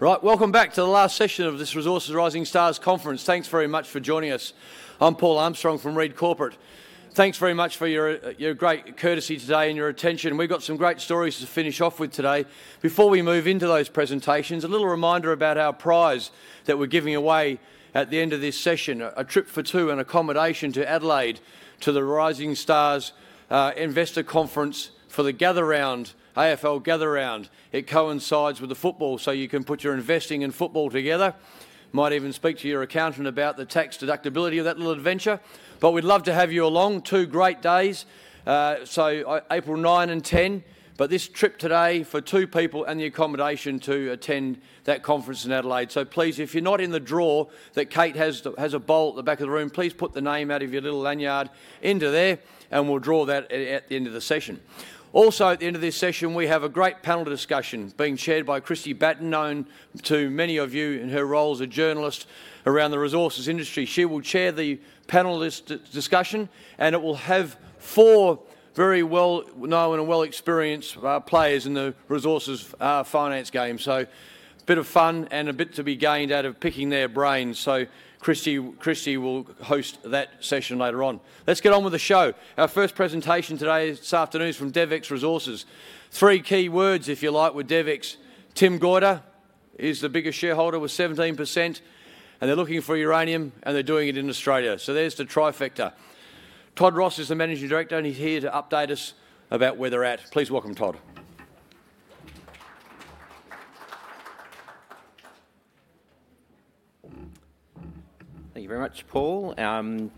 Right, welcome back to the last session of this Resources Rising Stars Conference. Thanks very much for joining us. I'm Paul Armstrong from Read Corporate. Thanks very much for your great courtesy today and your attention. We've got some great stories to finish off with today. Before we move into those presentations, a little reminder about our prize that we're giving away at the end of this session: a trip for two and accommodation to Adelaide, to the Rising Stars Investor Conference for the Gather Round, AFL Gather Round. It coincides with the football, so you can put your investing in football together. Might even speak to your accountant about the tax deductibility of that little adventure. But we'd love to have you along. Two great days, so April 9 and 10, but this trip today for two people and the accommodation to attend that conference in Adelaide. So please, if you're not in the draw that Kate has a bowl at the back of the room, please put the name out of your little lanyard into there, and we'll draw that at the end of the session. Also, at the end of this session, we have a great panel discussion being chaired by Kristie Batten, known to many of you in her role as a journalist around the resources industry. She will chair the panel discussion, and it will have four very well-known and well-experienced players in the resources finance game. So a bit of fun and a bit to be gained out of picking their brains. So Kristie will host that session later on. Let's get on with the show. Our first presentation today this afternoon is from DevEx Resources. Three key words, if you like, with DevEx. Tim Goyder is the biggest shareholder with 17%, and they're looking for uranium, and they're doing it in Australia, so there's the trifecta. Todd Ross is the Managing Director, and he's here to update us about where they're at. Please welcome Todd. Thank you very much, Paul, and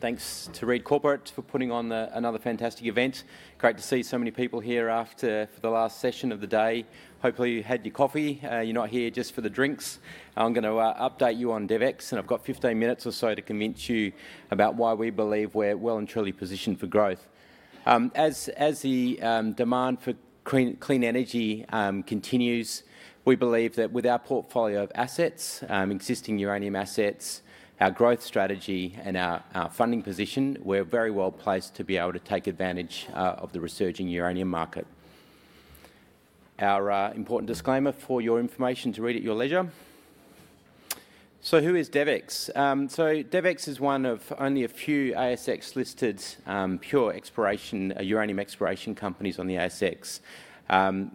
thanks to Read Corporate for putting on another fantastic event. Great to see so many people here after the last session of the day. Hopefully, you had your coffee. You're not here just for the drinks. I'm going to update you on DevEx, and I've got 15 minutes or so to convince you about why we believe we're well and truly positioned for growth. As the demand for clean energy continues, we believe that with our portfolio of assets, existing uranium assets, our growth strategy, and our funding position, we're very well placed to be able to take advantage of the resurging uranium market. Our important disclaimer for your information to read at your leisure. So who is DevEx? So DevEx is one of only a few ASX-listed pure uranium exploration companies on the ASX.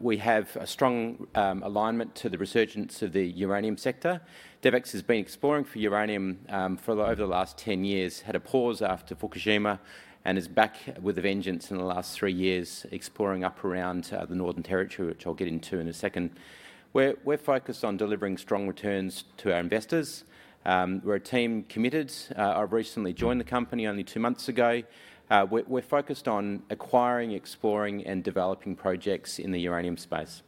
We have a strong alignment to the resurgence of the uranium sector. DevEx has been exploring for uranium for over the last 10 years, had a pause after Fukushima, and is back with a vengeance in the last three years, exploring up around the Northern Territory, which I'll get into in a second. We're focused on delivering strong returns to our investors. We're a team committed. I recently joined the company only two months ago. We're focused on acquiring, exploring, and developing projects in the uranium space.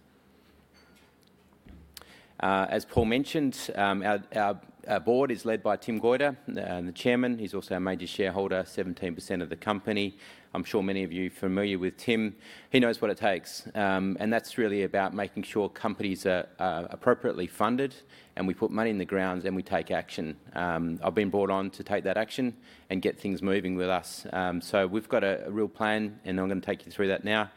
As Paul mentioned, our board is led by Tim Goyder, the chairman. He's also our major shareholder, 17% of the company. I'm sure many of you are familiar with Tim. He knows what it takes, and that's really about making sure companies are appropriately funded, and we put money in the ground, and we take action. I've been brought on to take that action and get things moving with us. So we've got a real plan, and I'm going to take you through that now.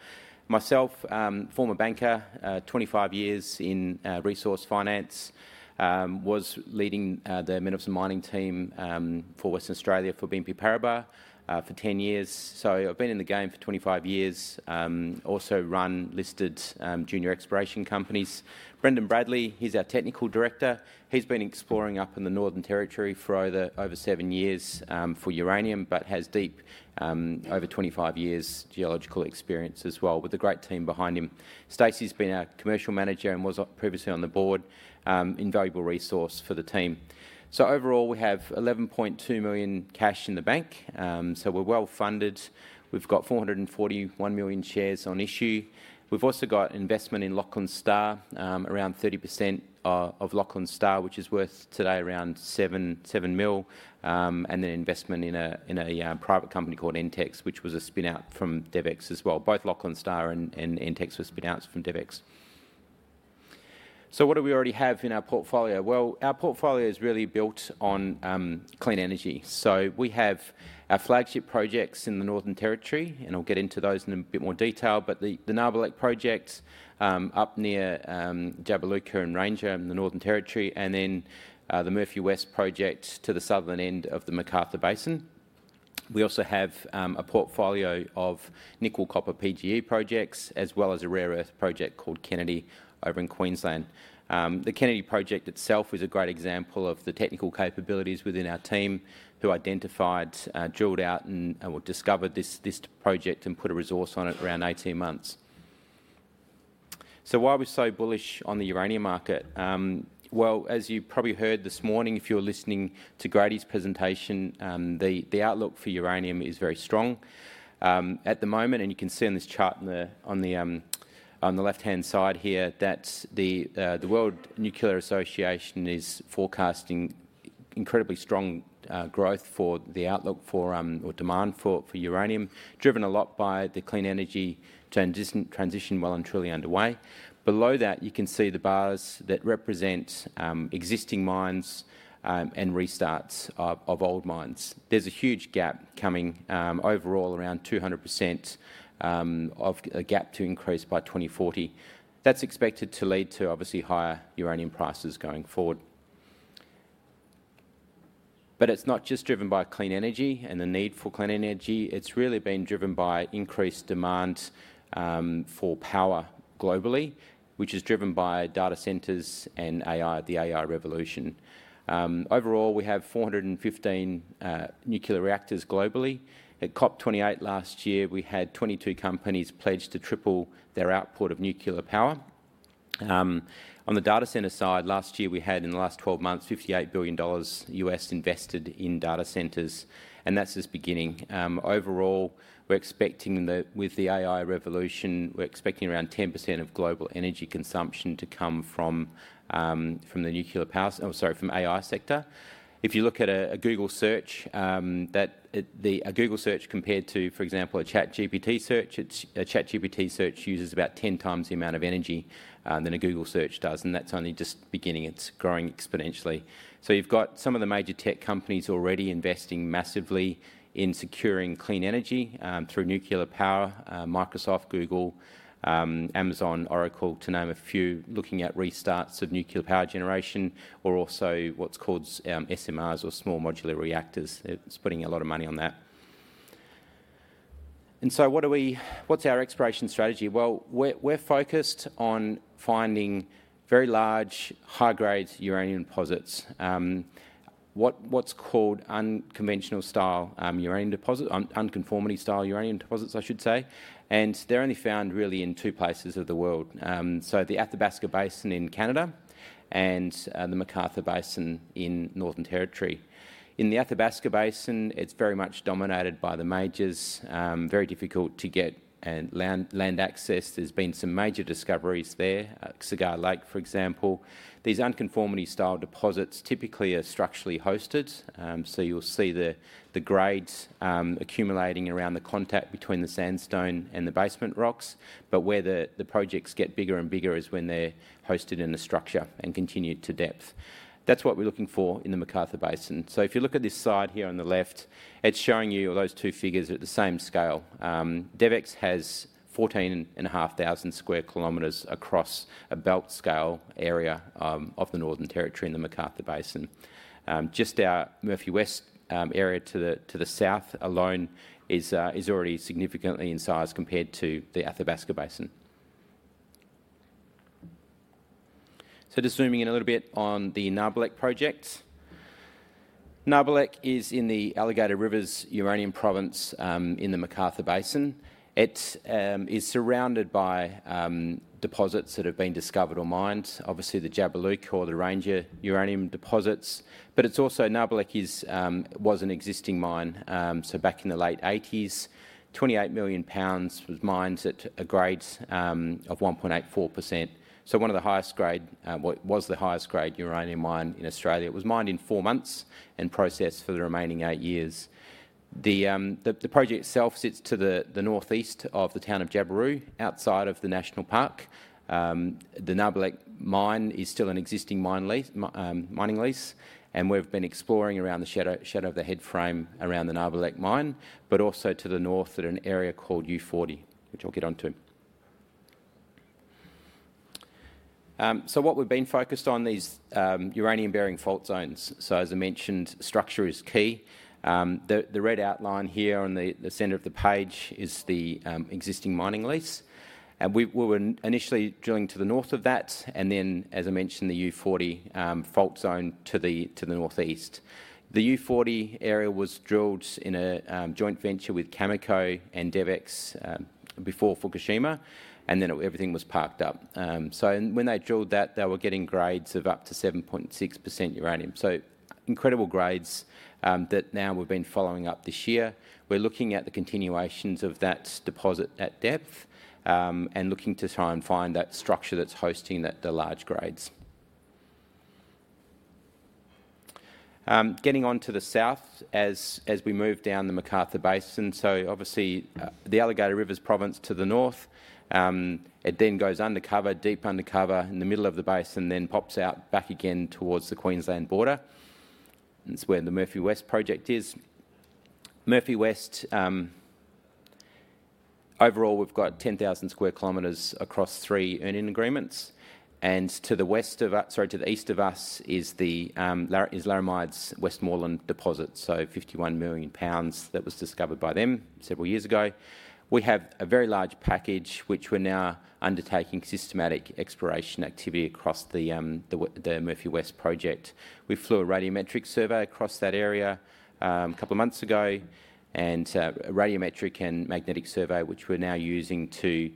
Myself, former banker, 25 years in resource finance, was leading the Minerals and Mining Team for Western Australia for BNP Paribas for 10 years. So I've been in the game for 25 years. Also run listed junior exploration companies. Brendan Bradley, he's our technical director. He's been exploring up in the Northern Territory for over seven years for uranium, but has deep, over 25 years geological experience as well, with a great team behind him. Stacey's been our commercial manager and was previously on the board, invaluable resource for the team. So overall, we have 11.2 million cash in the bank. So we're well funded. We've got 441 million shares on issue. We've also got investment in Lachlan Star, around 30% of Lachlan Star, which is worth today around 7 mil, and then investment in a private company called EntX, which was a spin-out from DevEx as well. Both Lachlan Star and EntX were spin-outs from DevEx, so what do we already have in our portfolio? Well, our portfolio is really built on clean energy, so we have our flagship projects in the Northern Territory, and I'll get into those in a bit more detail, but the Nabarlek project up near Jabiluka and Ranger, in the Northern Territory, and then the Murphy West project to the southern end of the McArthur Basin. We also have a portfolio of nickel-copper PGE projects, as well as a rare earth project called Kennedy over in Queensland. The Kennedy project itself is a great example of the technical capabilities within our team, who identified, drilled out, and discovered this project and put a resource on it around 18 months. So why are we so bullish on the uranium market? Well, as you probably heard this morning, if you were listening to Grady's presentation, the outlook for uranium is very strong at the moment, and you can see on this chart on the left-hand side here that the World Nuclear Association is forecasting incredibly strong growth for the outlook for, or demand for uranium, driven a lot by the clean energy transition well and truly underway. Below that, you can see the bars that represent existing mines and restarts of old mines. There's a huge gap coming overall, around 200% of a gap to increase by 2040. That's expected to lead to, obviously, higher uranium prices going forward. But it's not just driven by clean energy and the need for clean energy. It's really been driven by increased demand for power globally, which is driven by data centers and the AI revolution. Overall, we have 415 nuclear reactors globally. At COP28 last year, we had 22 companies pledge to triple their output of nuclear power. On the data center side, last year we had, in the last 12 months, $58 billion invested in data centers, and that's just beginning. Overall, we're expecting that with the AI revolution, we're expecting around 10% of global energy consumption to come from the nuclear power, sorry, from AI sector. If you look at a Google search, a Google search compared to, for example, a ChatGPT search, a ChatGPT search uses about 10 times the amount of energy than a Google search does, and that's only just beginning. It's growing exponentially. So you've got some of the major tech companies already investing massively in securing clean energy through nuclear power: Microsoft, Google, Amazon, Oracle, to name a few, looking at restarts of nuclear power generation, or also what's called SMRs or small modular reactors. They're putting a lot of money on that. And so what's our exploration strategy? Well, we're focused on finding very large, high-grade uranium deposits, what's called unconventional style uranium deposits, unconformity style uranium deposits, I should say, and they're only found really in two places of the world. So the Athabasca Basin in Canada and the McArthur Basin in Northern Territory. In the Athabasca Basin, it's very much dominated by the majors. Very difficult to get land access. There's been some major discoveries there, Cigar Lake, for example. These unconformity-style deposits typically are structurally hosted, so you'll see the grades accumulating around the contact between the sandstone and the basement rocks, but where the projects get bigger and bigger is when they're hosted in the structure and continued to depth. That's what we're looking for in the McArthur Basin. So if you look at this side here on the left, it's showing you those two figures at the same scale. DevEx has 14,500 sq km across a belt-scale area of the Northern Territory in the McArthur Basin. Just our Murphy West area to the south alone is already significantly in size compared to the Athabasca Basin. So just zooming in a little bit on the Nabarlek project. Nabarlek is in the Alligator Rivers Uranium Province, in the McArthur Basin. It is surrounded by deposits that have been discovered or mined, obviously the Jabiluka or the Ranger uranium deposits, but Nabarlek was an existing mine, so back in the late 1980s, 28 million pounds was mined at a grade of 1.84%, so one of the highest grade, what was the highest grade uranium mine in Australia. It was mined in four months and processed for the remaining eight years. The project itself sits to the northeast of the town of Jabiru, outside of the national park. The Nabarlek mine is still an existing mining lease, and we've been exploring around the shadow of the head frame around the Nabarlek mine, but also to the north at an area called U40, which I'll get onto, so what we've been focused on, these uranium-bearing fault zones, so as I mentioned, structure is key. The red outline here on the center of the page is the existing mining lease, and we were initially drilling to the north of that, and then, as I mentioned, the U40 fault zone to the northeast. The U40 area was drilled in a joint venture with Cameco and DevEx before Fukushima, and then everything was parked up, so when they drilled that, they were getting grades of up to 7.6% uranium, so incredible grades that now we've been following up this year. We're looking at the continuations of that deposit at depth and looking to try and find that structure that's hosting the large grades. Getting onto the south as we move down the McArthur Basin, so obviously, the Alligator Rivers Province to the north, it then goes undercover, deep undercover in the middle of the basin, then pops out back again towards the Queensland border. It's where the Murphy West project is. Murphy West, overall, we've got 10,000 sq km across three uranium agreements, and to the west of us, sorry, to the east of us is Laramide's Westmoreland deposits, so AUD 51 million that was discovered by them several years ago. We have a very large package, which we're now undertaking systematic exploration activity across the Murphy West project. We flew a radiometric survey across that area a couple of months ago and a radiometric and magnetic survey, which we're now using to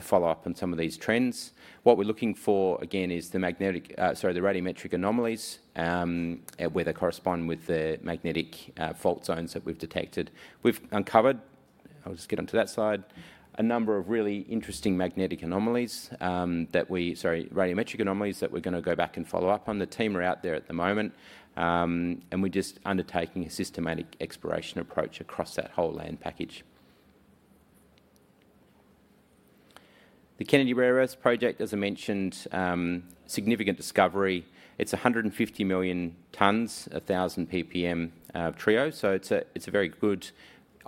follow up on some of these trends. What we're looking for, again, is the magnetic, sorry, the radiometric anomalies where they correspond with the magnetic fault zones that we've detected. We've uncovered, I'll just get onto that side, a number of really interesting magnetic anomalies that we, sorry, radiometric anomalies that we're going to go back and follow up on. The team are out there at the moment, and we're just undertaking a systematic exploration approach across that whole land package. The Kennedy Rare Earths Project, as I mentioned, significant discovery. It's 150 million tons, 1,000 ppm TREO. So it's a very good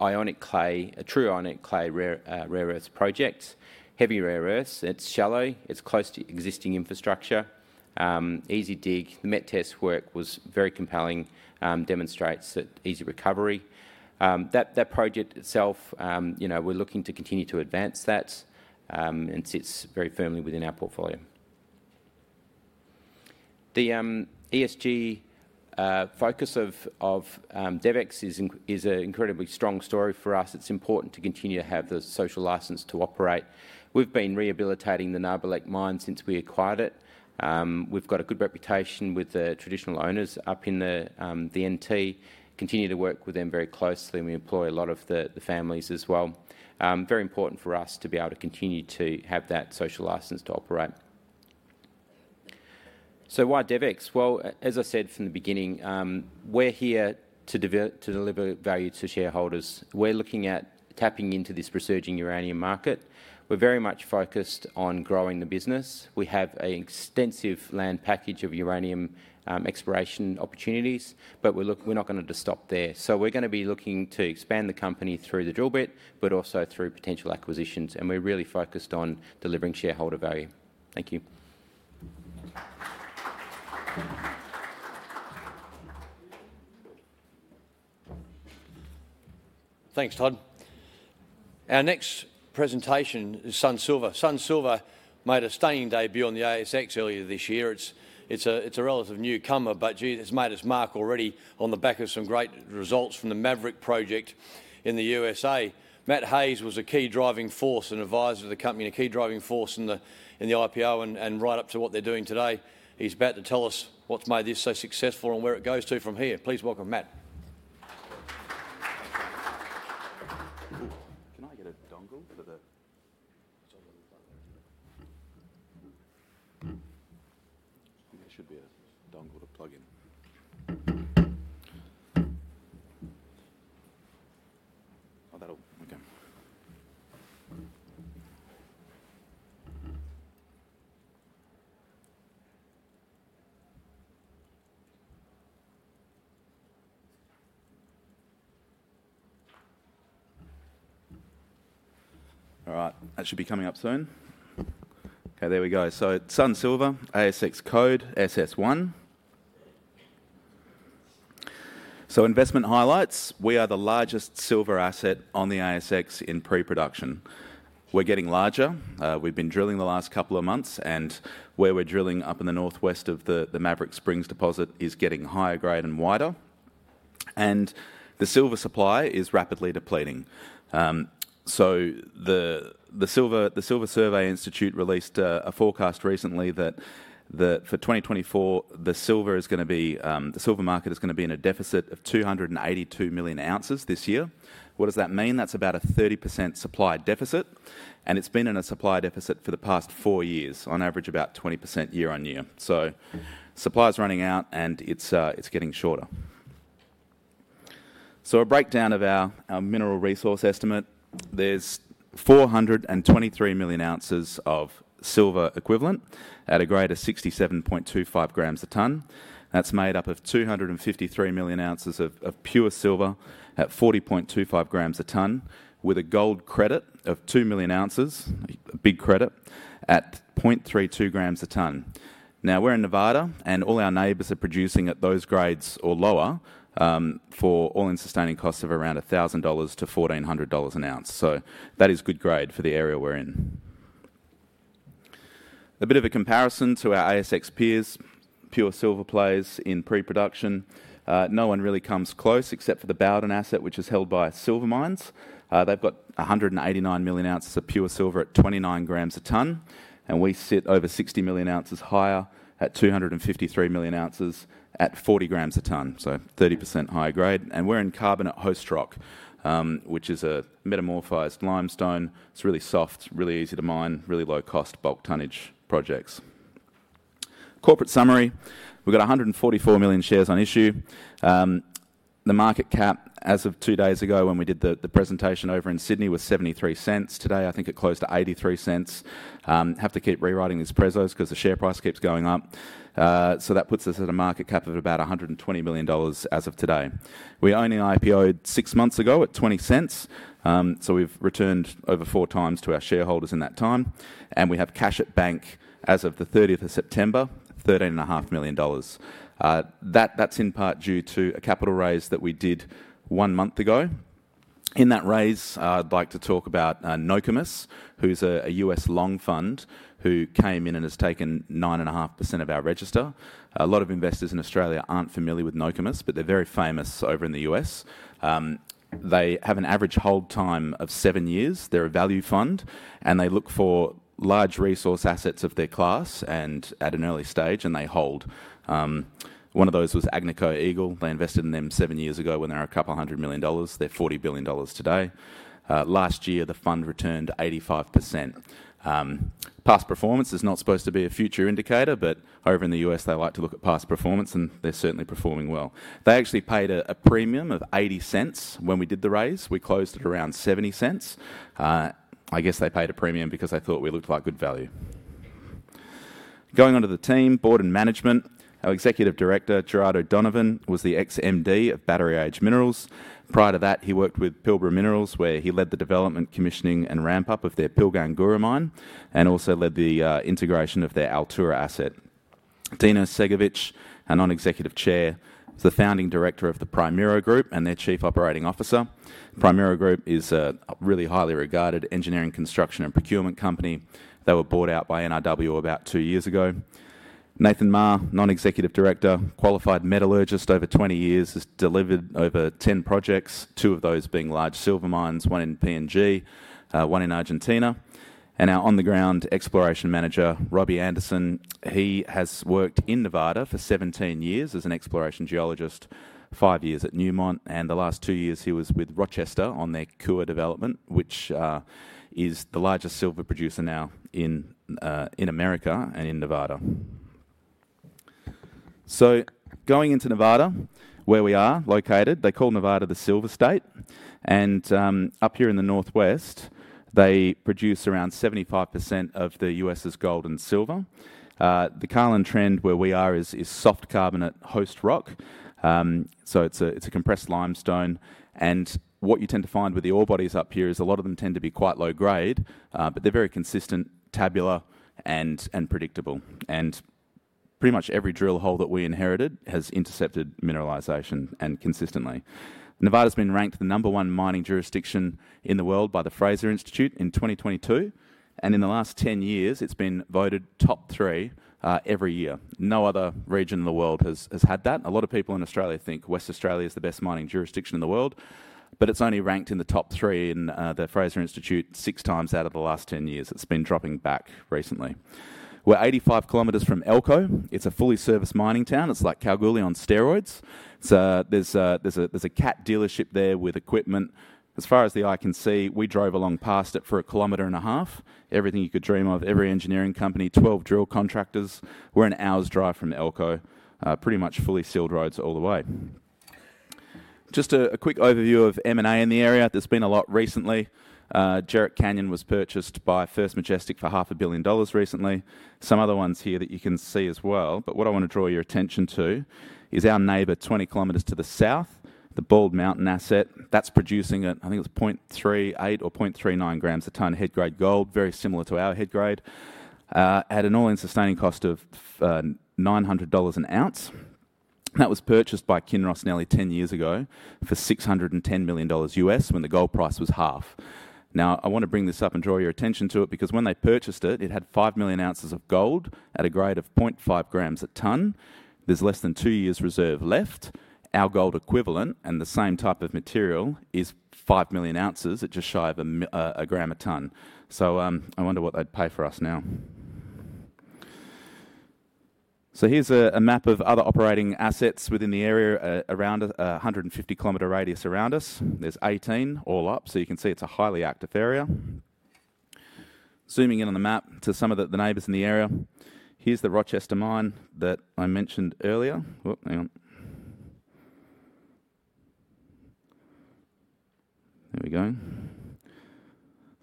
ionic clay, a true ionic clay rare earth project. Heavy rare earths. It's shallow. It's close to existing infrastructure. Easy dig. The met test work was very compelling, demonstrates that easy recovery. That project itself, we're looking to continue to advance that, and it sits very firmly within our portfolio. The ESG focus of DevEx is an incredibly strong story for us. It's important to continue to have the social license to operate. We've been rehabilitating the Nabarlek mine since we acquired it. We've got a good reputation with the traditional owners up in the NT. Continue to work with them very closely. We employ a lot of the families as well. Very important for us to be able to continue to have that social license to operate. So why DevEx? Well, as I said from the beginning, we're here to deliver value to shareholders. We're looking at tapping into this resurging uranium market. We're very much focused on growing the business. We have an extensive land package of uranium exploration opportunities, but we're not going to stop there. So we're going to be looking to expand the company through the drill bit, but also through potential acquisitions, and we're really focused on delivering shareholder value. Thank you. Thanks, Todd. Our next presentation is Sun Silver. Sun Silver made a stunning debut on the ASX earlier this year. It's a relative newcomer, but it's made its mark already on the back of some great results from the Maverick Project in the USA. Matt Hays was a key driving force and advisor to the company, a key driving force in the IPO and right up to what they're doing today. He's about to tell us what's made this so successful and where it goes to from here. Please welcome Matt. Can I get a dongle for the. Sorry, let me plug that in here. There should be a dongle to plug in. Oh, that'll work. All right. That should be coming up soon. Okay, there we go. So Sun Silver, ASX code SS1. So investment highlights. We are the largest silver asset on the ASX in pre-production. We're getting larger. We've been drilling the last couple of months, and where we're drilling up in the northwest of the Maverick Springs deposit is getting higher grade and wider, and the silver supply is rapidly depleting. The Silver Institute released a forecast recently that for 2024, the silver is going to be, the silver market is going to be in a deficit of 282 million ounces this year. What does that mean? That's about a 30% supply deficit, and it's been in a supply deficit for the past four years, on average about 20% year on year. Supply is running out, and it's getting shorter. A breakdown of our mineral resource estimate. There's 423 million ounces of silver equivalent at a grade of 67.25 grams a tonne. That's made up of 253 million ounces of pure silver at 40.25 grams a tonne, with a gold credit of 2 million ounces, a big credit, at 0.32 grams a tonne. Now, we're in Nevada, and all our neighbours are producing at those grades or lower for all-in sustaining costs of around $1,000-$1,400 an ounce. So that is good grade for the area we're in. A bit of a comparison to our ASX peers, pure silver plays in pre-production. No one really comes close except for the Bowdens asset, which is held by Silver Mines. They've got 189 million ounces of pure silver at 29 grams a tonne, and we sit over 60 million ounces higher at 253 million ounces at 40 grams a tonne. So 30% higher grade. And we're in carbonate host rock, which is a metamorphosed limestone. It's really soft, really easy to mine, really low-cost bulk tonnage projects. Corporate summary. We've got 144 million shares on issue. The market cap, as of two days ago when we did the presentation over in Sydney, was 0.73. Today, I think it closed at 0.83. Have to keep rewriting these prezos because the share price keeps going up. So that puts us at a market cap of about 120 million dollars as of today. We only IPO'd six months ago at 0.20, so we've returned over four times to our shareholders in that time, and we have cash at bank as of the 30th of September, 13.5 million dollars. That's in part due to a capital raise that we did one month ago. In that raise, I'd like to talk about Nokomis, who's a U.S. long fund who came in and has taken 9.5% of our register. A lot of investors in Australia aren't familiar with Nokomis, but they're very famous over in the U.S. They have an average hold time of seven years. They're a value fund, and they look for large resource assets of their class at an early stage, and they hold. One of those was Agnico Eagle. They invested in them seven years ago when they were $200 million. They're $40 billion today. Last year, the fund returned 85%. Past performance is not supposed to be a future indicator, but over in the U.S., they like to look at past performance, and they're certainly performing well. They actually paid a premium of 0.80 when we did the raise. We closed at around 0.70. I guess they paid a premium because they thought we looked like good value. Going on to the team, board and management. Our Executive Director, Gerard O'Donovan, was the ex-MD of Battery Age Minerals. Prior to that, he worked with Pilbara Minerals, where he led the development, commissioning, and ramp-up of their Pilgangoora mine and also led the integration of their Altura asset. Dean Ercegovic, our Non-Executive Chair, is the founding director of the Primero Group and their Chief Operating Officer. Primero Group is a really highly regarded engineering, construction, and procurement company. They were bought out by NRW about two years ago. Nathan Ma, Non-Executive Director, qualified metallurgist over 20 years, has delivered over 10 projects, two of those being large silver mines, one in PNG, one in Argentina. And our on-the-ground exploration manager, Robbie Anderson, he has worked in Nevada for 17 years as an exploration geologist, five years at Newmont, and the last two years he was with Rochester on their Coeur development, which is the largest silver producer now in America and in Nevada. So going into Nevada, where we are located, they call Nevada the Silver State. And up here in the northwest, they produce around 75% of the U.S.'s gold and silver. The Carlin Trend where we are is soft carbonate host rock. So it's a compressed limestone. And what you tend to find with the ore bodies up here is a lot of them tend to be quite low grade, but they're very consistent, tabular, and predictable. And pretty much every drill hole that we inherited has intercepted mineralization consistently. Nevada's been ranked the number one mining jurisdiction in the world by the Fraser Institute in 2022, and in the last 10 years, it's been voted top three every year. No other region in the world has had that. A lot of people in Australia think Western Australia is the best mining jurisdiction in the world, but it's only ranked in the top three in the Fraser Institute six times out of the last 10 years. It's been dropping back recently. We're 85 kilometers from Elko. It's a fully-serviced mining town. It's like Calgary on steroids. There's a Cat dealership there with equipment. As far as the eye can see, we drove along past it for a kilometer and a half. Everything you could dream of, every engineering company, 12 drill contractors. We're an hour's drive from Elko, pretty much fully sealed roads all the way. Just a quick overview of M&A in the area. There's been a lot recently. Jerritt Canyon was purchased by First Majestic for $500 million recently. Some other ones here that you can see as well. But what I want to draw your attention to is our neighbor 20 kilometers to the south, the Bald Mountain asset. That's producing at, I think it's 0.38 or 0.39 grams a tonne head grade gold, very similar to our head grade, at an all-in sustaining cost of $900 an ounce. That was purchased by Kinross nearly 10 years ago for $610 million when the gold price was half. Now, I want to bring this up and draw your attention to it because when they purchased it, it had 5 million ounces of gold at a grade of 0.5 grams a tonne. There's less than two years' reserve left. Our gold equivalent and the same type of material is 5 million ounces. It's just shy of a gram a tonne. So I wonder what they'd pay for us now. So here's a map of other operating assets within the area around a 150-kilometer radius around us. There's 18 all up, so you can see it's a highly active area. Zooming in on the map to some of the neighbors in the area. Here's the Rochester mine that I mentioned earlier. Hang on. There we go.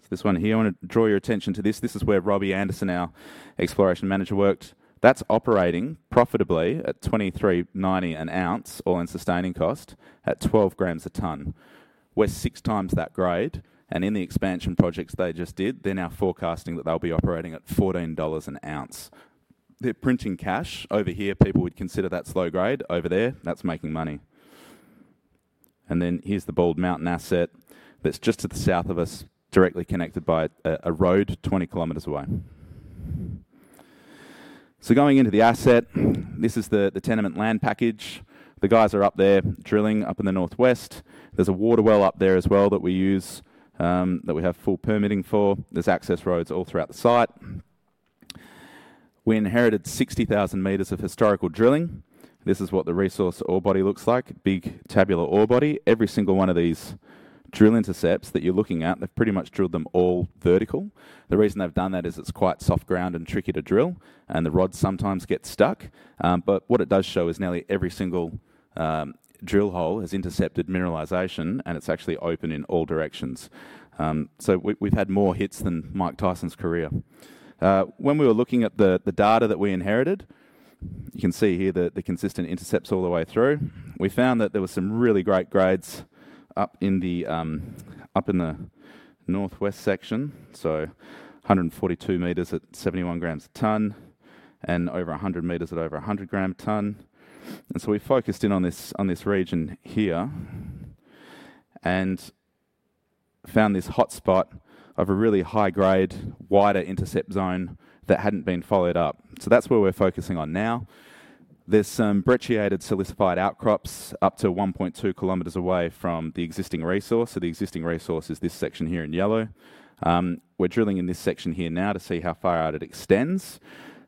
So this one here, I want to draw your attention to this. This is where Robbie Anderson, our exploration manager, worked. That's operating profitably at $23.90 an ounce, all-in sustaining cost, at 12 grams a ton. We're six times that grade, and in the expansion projects they just did, they're now forecasting that they'll be operating at $14 an ounce. They're printing cash. Over here, people would consider that slow grade. Over there, that's making money. And then here's the Bald Mountain asset that's just to the south of us, directly connected by a road 20 kilometers away. So going into the asset, this is the tenement land package. The guys are up there drilling up in the northwest. There's a water well up there as well that we use that we have full permitting for. There's access roads all throughout the site. We inherited 60,000 meters of historical drilling. This is what the resource ore body looks like. Big tabular ore body. Every single one of these drill intercepts that you're looking at, they've pretty much drilled them all vertical. The reason they've done that is it's quite soft ground and tricky to drill, and the rods sometimes get stuck. But what it does show is nearly every single drill hole has intercepted mineralization, and it's actually open in all directions. We've had more hits than Mike Tyson's career. When we were looking at the data that we inherited, you can see here the consistent intercepts all the way through. We found that there were some really great grades up in the northwest section. So 142 meters at 71 grams a tonne and over 100 meters at over 100 gram a tonne. And so we focused in on this region here and found this hotspot of a really high grade, wider intercept zone that hadn't been followed up. So that's where we're focusing on now. There's some brecciated silicified outcrops up to 1.2 kilometers away from the existing resource. So the existing resource is this section here in yellow. We're drilling in this section here now to see how far out it extends.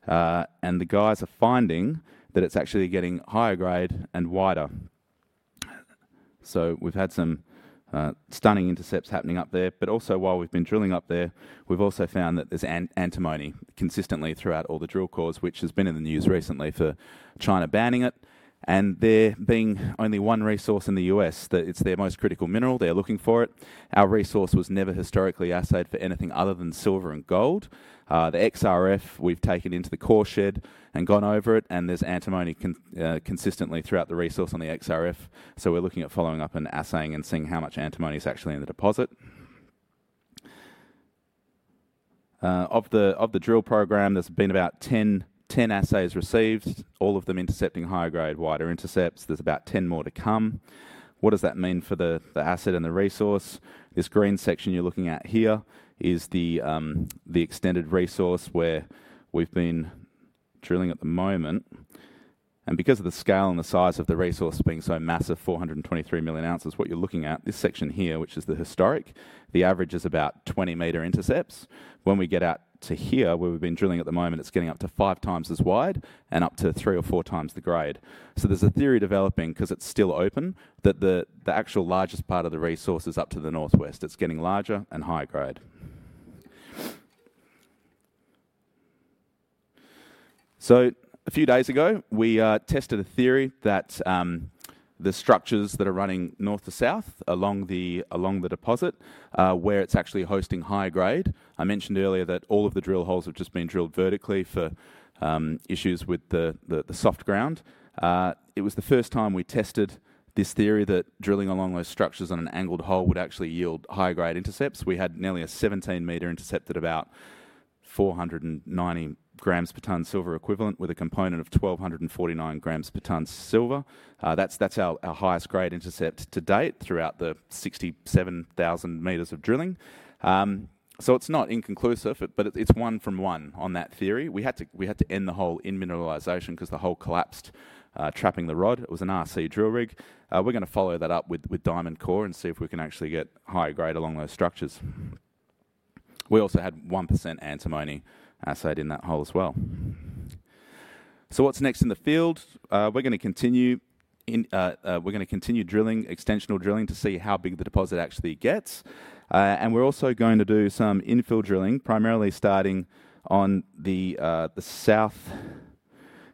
And the guys are finding that it's actually getting higher grade and wider. So we've had some stunning intercepts happening up there, but also, while we've been drilling up there, we've also found that there's antimony consistently throughout all the drill cores, which has been in the news recently for China banning it, and there being only one resource in the U.S., it's their most critical mineral. They're looking for it. Our resource was never historically assayed for anything other than silver and gold. The XRF, we've taken into the core shed and gone over it, and there's antimony consistently throughout the resource on the XRF, so we're looking at following up and assaying and seeing how much antimony is actually in the deposit. Of the drill program, there's been about 10 assays received, all of them intercepting higher grade, wider intercepts. There's about 10 more to come. What does that mean for the asset and the resource? This green section you're looking at here is the extended resource where we've been drilling at the moment. And because of the scale and the size of the resource being so massive, 423 million ounces, what you're looking at, this section here, which is the historic, the average is about 20 meter intercepts. When we get out to here, where we've been drilling at the moment, it's getting up to five times as wide and up to three or four times the grade. So there's a theory developing, because it's still open, that the actual largest part of the resource is up to the northwest. It's getting larger and higher grade. So a few days ago, we tested a theory that the structures that are running north to south along the deposit, where it's actually hosting high grade. I mentioned earlier that all of the drill holes have just been drilled vertically for issues with the soft ground. It was the first time we tested this theory that drilling along those structures on an angled hole would actually yield high-grade intercepts. We had nearly a 17-meter intercept at about 490 grams per tonne silver equivalent with a component of 1,249 grams per tonne silver. That's our highest grade intercept to date throughout the 67,000 meters of drilling. So it's not inconclusive, but it's one from one on that theory. We had to end the hole in mineralization because the hole collapsed, trapping the rod. It was an RC drill rig. We're going to follow that up with Diamond Core and see if we can actually get higher grade along those structures. We also had 1% antimony assayed in that hole as well. So what's next in the field? We're going to continue drilling, extensional drilling, to see how big the deposit actually gets. And we're also going to do some infill drilling, primarily starting on the south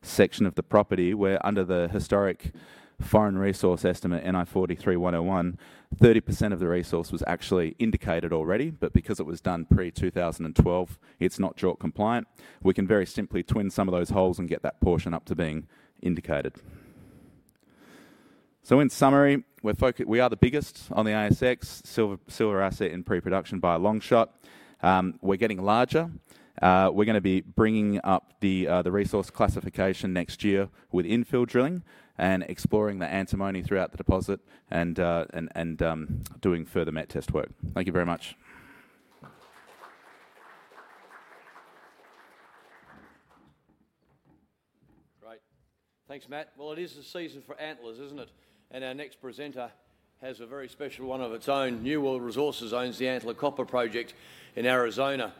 section of the property where, under the historic foreign resource estimate, NI 43-101, 30% of the resource was actually indicated already. But because it was done pre-2012, it's not JORC compliant. We can very simply twin some of those holes and get that portion up to being indicated. So in summary, we are the biggest on the ASX, silver asset in pre-production by a long shot. We're getting larger. We're going to be bringing up the resource classification next year with infill drilling and exploring the antimony throughout the deposit and doing further met test work. Thank you very much. Great. Thanks, Matt. Well, it is the season for antlers, isn't it? And our next presenter has a very special one of its own. New World Resources owns the Antler Copper Project in Arizona.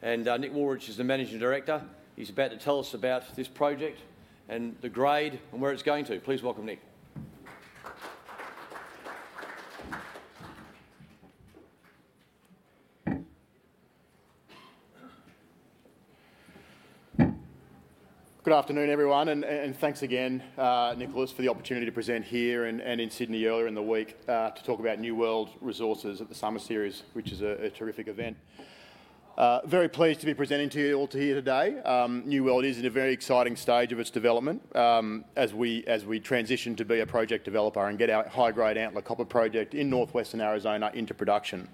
And Nick Woolrych is the Managing Director. He's about to tell us about this project and the grade and where it's going to. Please welcome Nick. Good afternoon, everyone. And thanks again, Nicholas, for the opportunity to present here and in Sydney earlier in the week to talk about New World Resources at the Summer Series, which is a terrific event. Very pleased to be presenting to you all here today. New World is in a very exciting stage of its development as we transition to be a project developer and get our high-grade Antler Copper Project in northwestern Arizona into production.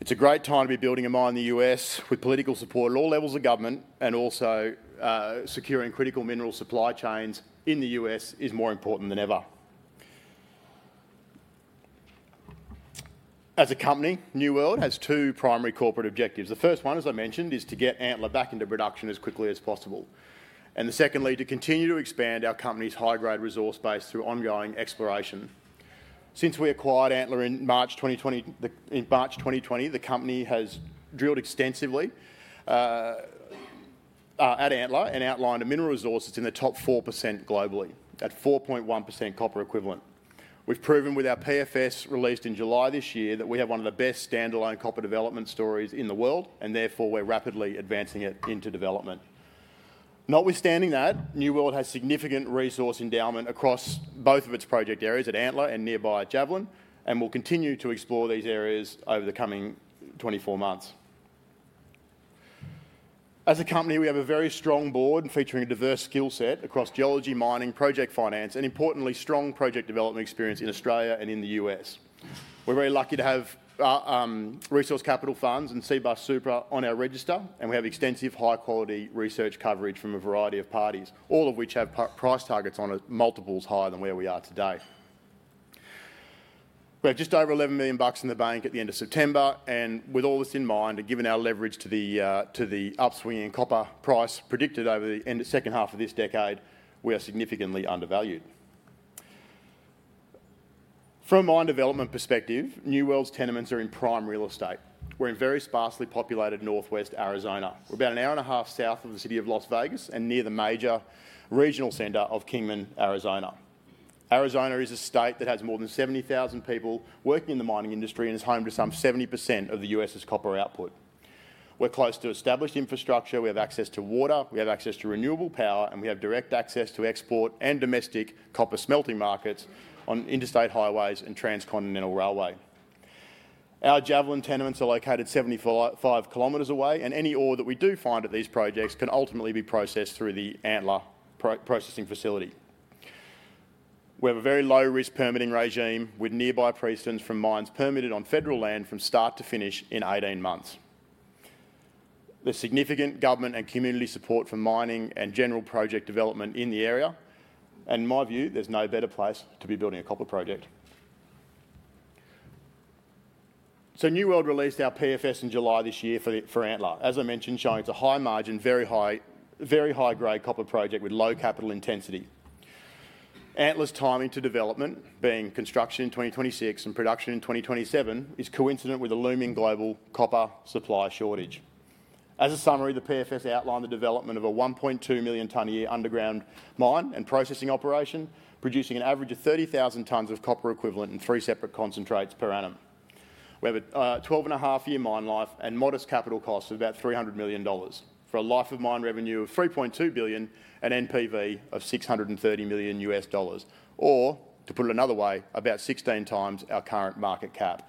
It's a great time to be building a mine in the U.S. with political support at all levels of government, and also securing critical mineral supply chains in the U.S. is more important than ever. As a company, New World has two primary corporate objectives. The first one, as I mentioned, is to get Antler back into production as quickly as possible, and secondly, to continue to expand our company's high-grade resource base through ongoing exploration. Since we acquired Antler in March 2020, the company has drilled extensively at Antler and outlined a mineral resource that's in the top four% globally, at 4.1% copper equivalent. We've proven with our PFS released in July this year that we have one of the best standalone copper development stories in the world, and therefore we're rapidly advancing it into development. Notwithstanding that, New World has significant resource endowment across both of its project areas at Antler and nearby Javelin, and will continue to explore these areas over the coming 24 months. As a company, we have a very strong board featuring a diverse skill set across geology, mining, project finance, and importantly, strong project development experience in Australia and in the U.S. We're very lucky to have Resource Capital Funds and Cbus Super on our register, and we have extensive high-quality research coverage from a variety of parties, all of which have price targets on multiples higher than where we are today. We have just over $11 million in the bank at the end of September. And with all this in mind, and given our leverage to the upswing in copper price predicted over the second half of this decade, we are significantly undervalued. From a mine development perspective, New World's tenements are in prime real estate. We're in very sparsely populated northwest Arizona. We're about an hour and a half south of the city of Las Vegas and near the major regional center of Kingman, Arizona. Arizona is a state that has more than 70,000 people working in the mining industry and is home to some 70% of the U.S.'s copper output. We're close to established infrastructure. We have access to water. We have access to renewable power, and we have direct access to export and domestic copper smelting markets on interstate highways and transcontinental railway. Our Javelin tenements are located 75 km away, and any ore that we do find at these projects can ultimately be processed through the Antler processing facility. We have a very low-risk permitting regime with nearby precedents from mines permitted on federal land from start to finish in 18 months. There's significant government and community support for mining and general project development in the area. In my view, there's no better place to be building a copper project. New World released our PFS in July this year for Antler, as I mentioned, showing it's a high-margin, very high-grade copper project with low capital intensity. Antler's timing to development, being construction in 2026 and production in 2027, is coincident with a looming global copper supply shortage. As a summary, the PFS outlined the development of a 1.2 million-tonne-a-year underground mine and processing operation, producing an average of 30,000 tonnes of copper equivalent in three separate concentrates per annum. We have a 12.5-year mine life and modest capital costs of about $300 million for a life of mine revenue of $3.2 billion and NPV of $630 million U.S. dollars, or, to put it another way, about 16 times our current market cap.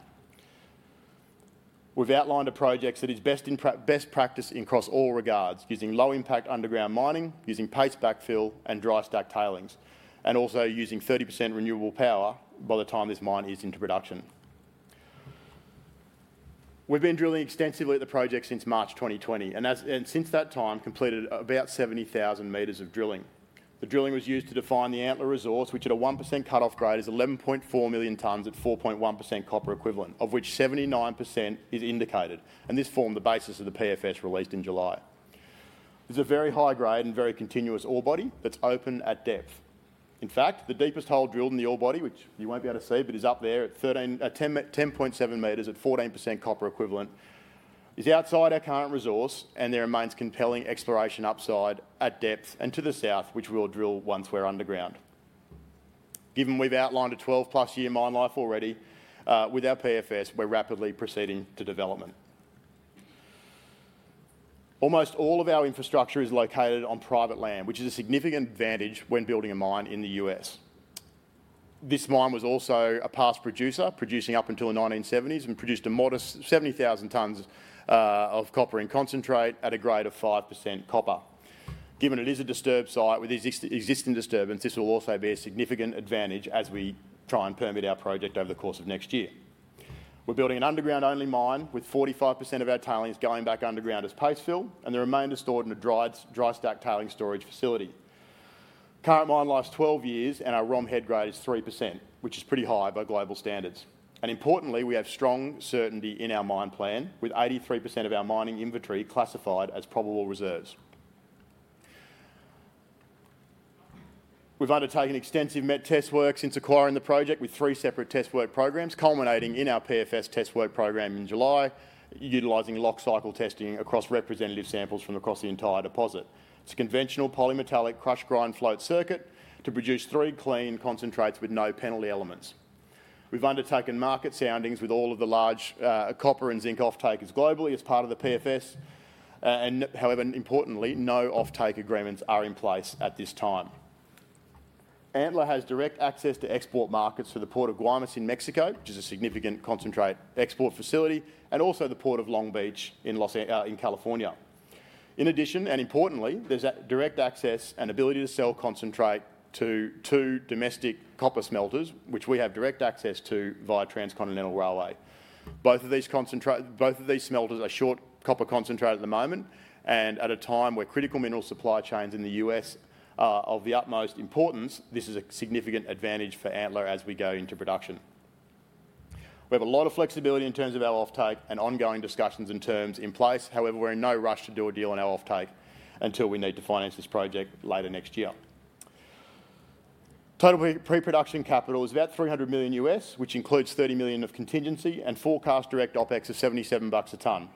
We've outlined a project that is best practice across all regards, using low-impact underground mining, using paste backfill and dry stack tailings, and also using 30% renewable power by the time this mine is into production. We've been drilling extensively at the project since March 2020 and since that time completed about 70,000 meters of drilling. The drilling was used to define the Antler resource, which at a 1% cutoff grade is 11.4 million tons at 4.1% copper equivalent, of which 79% is indicated. And this formed the basis of the PFS released in July. There's a very high-grade and very continuous ore body that's open at depth. In fact, the deepest hole drilled in the ore body, which you won't be able to see, but is up there at 10.7 meters at 14% copper equivalent, is outside our current resource, and there remains compelling exploration upside at depth and to the south, which we will drill once we're underground. Given we've outlined a 12-plus year mine life already, with our PFS, we're rapidly proceeding to development. Almost all of our infrastructure is located on private land, which is a significant advantage when building a mine in the U.S. This mine was also a past producer, producing up until the 1970s and produced a modest 70,000 tons of copper in concentrate at a grade of 5% copper. Given it is a disturbed site with existing disturbance, this will also be a significant advantage as we try and permit our project over the course of next year. We're building an underground-only mine with 45% of our tailings going back underground as paste fill, and the remainder stored in a dry stack tailings storage facility. Current mine life's 12 years, and our ROM head grade is 3%, which is pretty high by global standards. And importantly, we have strong certainty in our mine plan with 83% of our mining inventory classified as probable reserves. We've undertaken extensive met test work since acquiring the project with three separate test work programs, culminating in our PFS test work program in July, utilizing locked cycle testing across representative samples from across the entire deposit. It's a conventional polymetallic crush grind float circuit to produce three clean concentrates with no penalty elements. We've undertaken market soundings with all of the large copper and zinc offtakers globally as part of the PFS, and however, importantly, no offtake agreements are in place at this time. Antler has direct access to export markets for the Port of Guaymas in Mexico, which is a significant concentrate export facility, and also the Port of Long Beach in California. In addition, and importantly, there's direct access and ability to sell concentrate to two domestic copper smelters, which we have direct access to via transcontinental railway. Both of these smelters are short copper concentrate at the moment, and at a time where critical mineral supply chains in the U.S. are of the utmost importance, this is a significant advantage for Antler as we go into production. We have a lot of flexibility in terms of our offtake and ongoing discussions and terms in place. However, we're in no rush to do a deal on our offtake until we need to finance this project later next year. Total pre-production capital is about $300 million, which includes $30 million of contingency and forecast direct OpEx of $77 a tonne.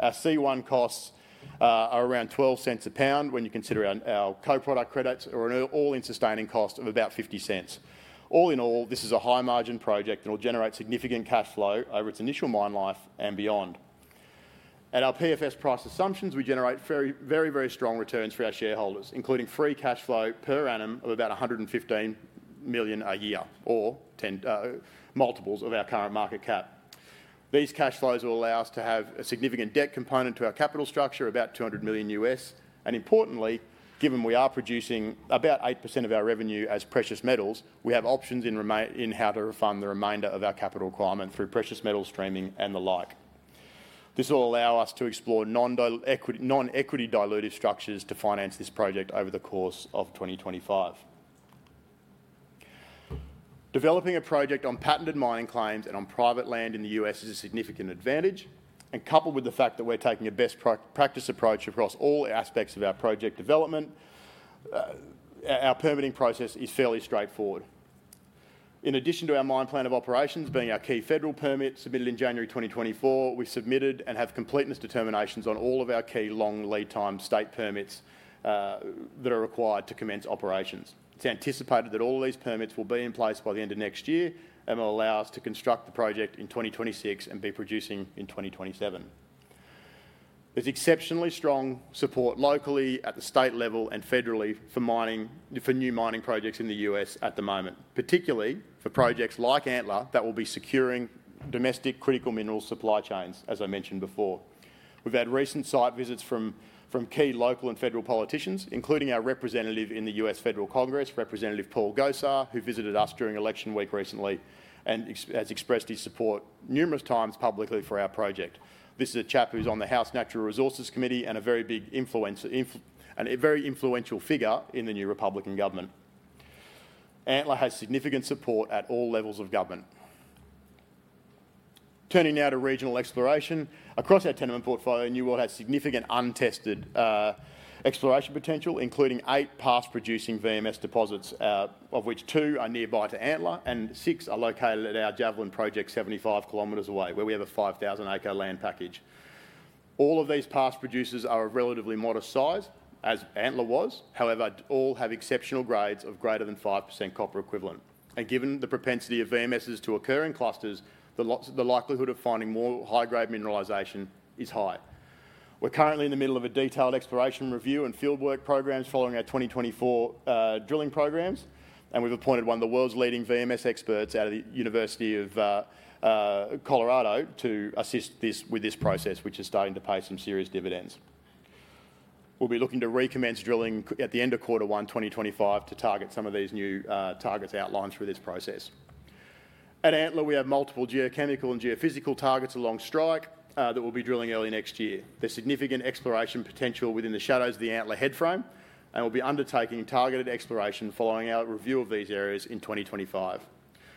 Our C1 costs are around $0.12 a pound when you consider our co-product credits or an all-in sustaining cost of about $0.50. All in all, this is a high-margin project that will generate significant cash flow over its initial mine life and beyond. At our PFS price assumptions, we generate very, very strong returns for our shareholders, including free cash flow per annum of about $115 million a year, or multiples of our current market cap. These cash flows will allow us to have a significant debt component to our capital structure, about $200 million. Importantly, given we are producing about 8% of our revenue as precious metals, we have options in how to refund the remainder of our capital requirement through precious met coal streaming and the like. This will allow us to explore non-equity diluted structures to finance this project over the course of 2025. Developing a project on patented mining claims and on private land in the U.S. is a significant advantage. And coupled with the fact that we're taking a best practice approach across all aspects of our project development, our permitting process is fairly straightforward. In addition to our mine plan of operations being our key federal permit submitted in January 2024, we've submitted and have completeness determinations on all of our key long lead time state permits that are required to commence operations. It's anticipated that all of these permits will be in place by the end of next year and will allow us to construct the project in 2026 and be producing in 2027. There's exceptionally strong support locally at the state level and federally for new mining projects in the U.S. at the moment, particularly for projects like Antler that will be securing domestic critical mineral supply chains, as I mentioned before. We've had recent site visits from key local and federal politicians, including our representative in the U.S. Federal Congress, Representative Paul Gosar, who visited us during election week recently and has expressed his support numerous times publicly for our project. This is a chap who's on the House Natural Resources Committee and a very influential figure in the new Republican government. Antler has significant support at all levels of government. Turning now to regional exploration, across our tenement portfolio, New World has significant untested exploration potential, including eight past-producing VMS deposits, of which two are nearby to Antler and six are located at our Javelin project 75 km away, where we have a 5,000-acre land package. All of these past producers are of relatively modest size, as Antler was. However, all have exceptional grades of greater than 5% copper equivalent. And given the propensity of VMSs to occur in clusters, the likelihood of finding more high-grade mineralization is high. We're currently in the middle of a detailed exploration review and fieldwork programs following our 2024 drilling programs, and we've appointed one of the world's leading VMS experts out of the University of Colorado to assist with this process, which is starting to pay some serious dividends. We'll be looking to recommence drilling at the end of quarter one 2025 to target some of these new targets outlined through this process. At Antler, we have multiple geochemical and geophysical targets along strike that we'll be drilling early next year. There's significant exploration potential within the shadows of the Antler head frame, and we'll be undertaking targeted exploration following our review of these areas in 2025.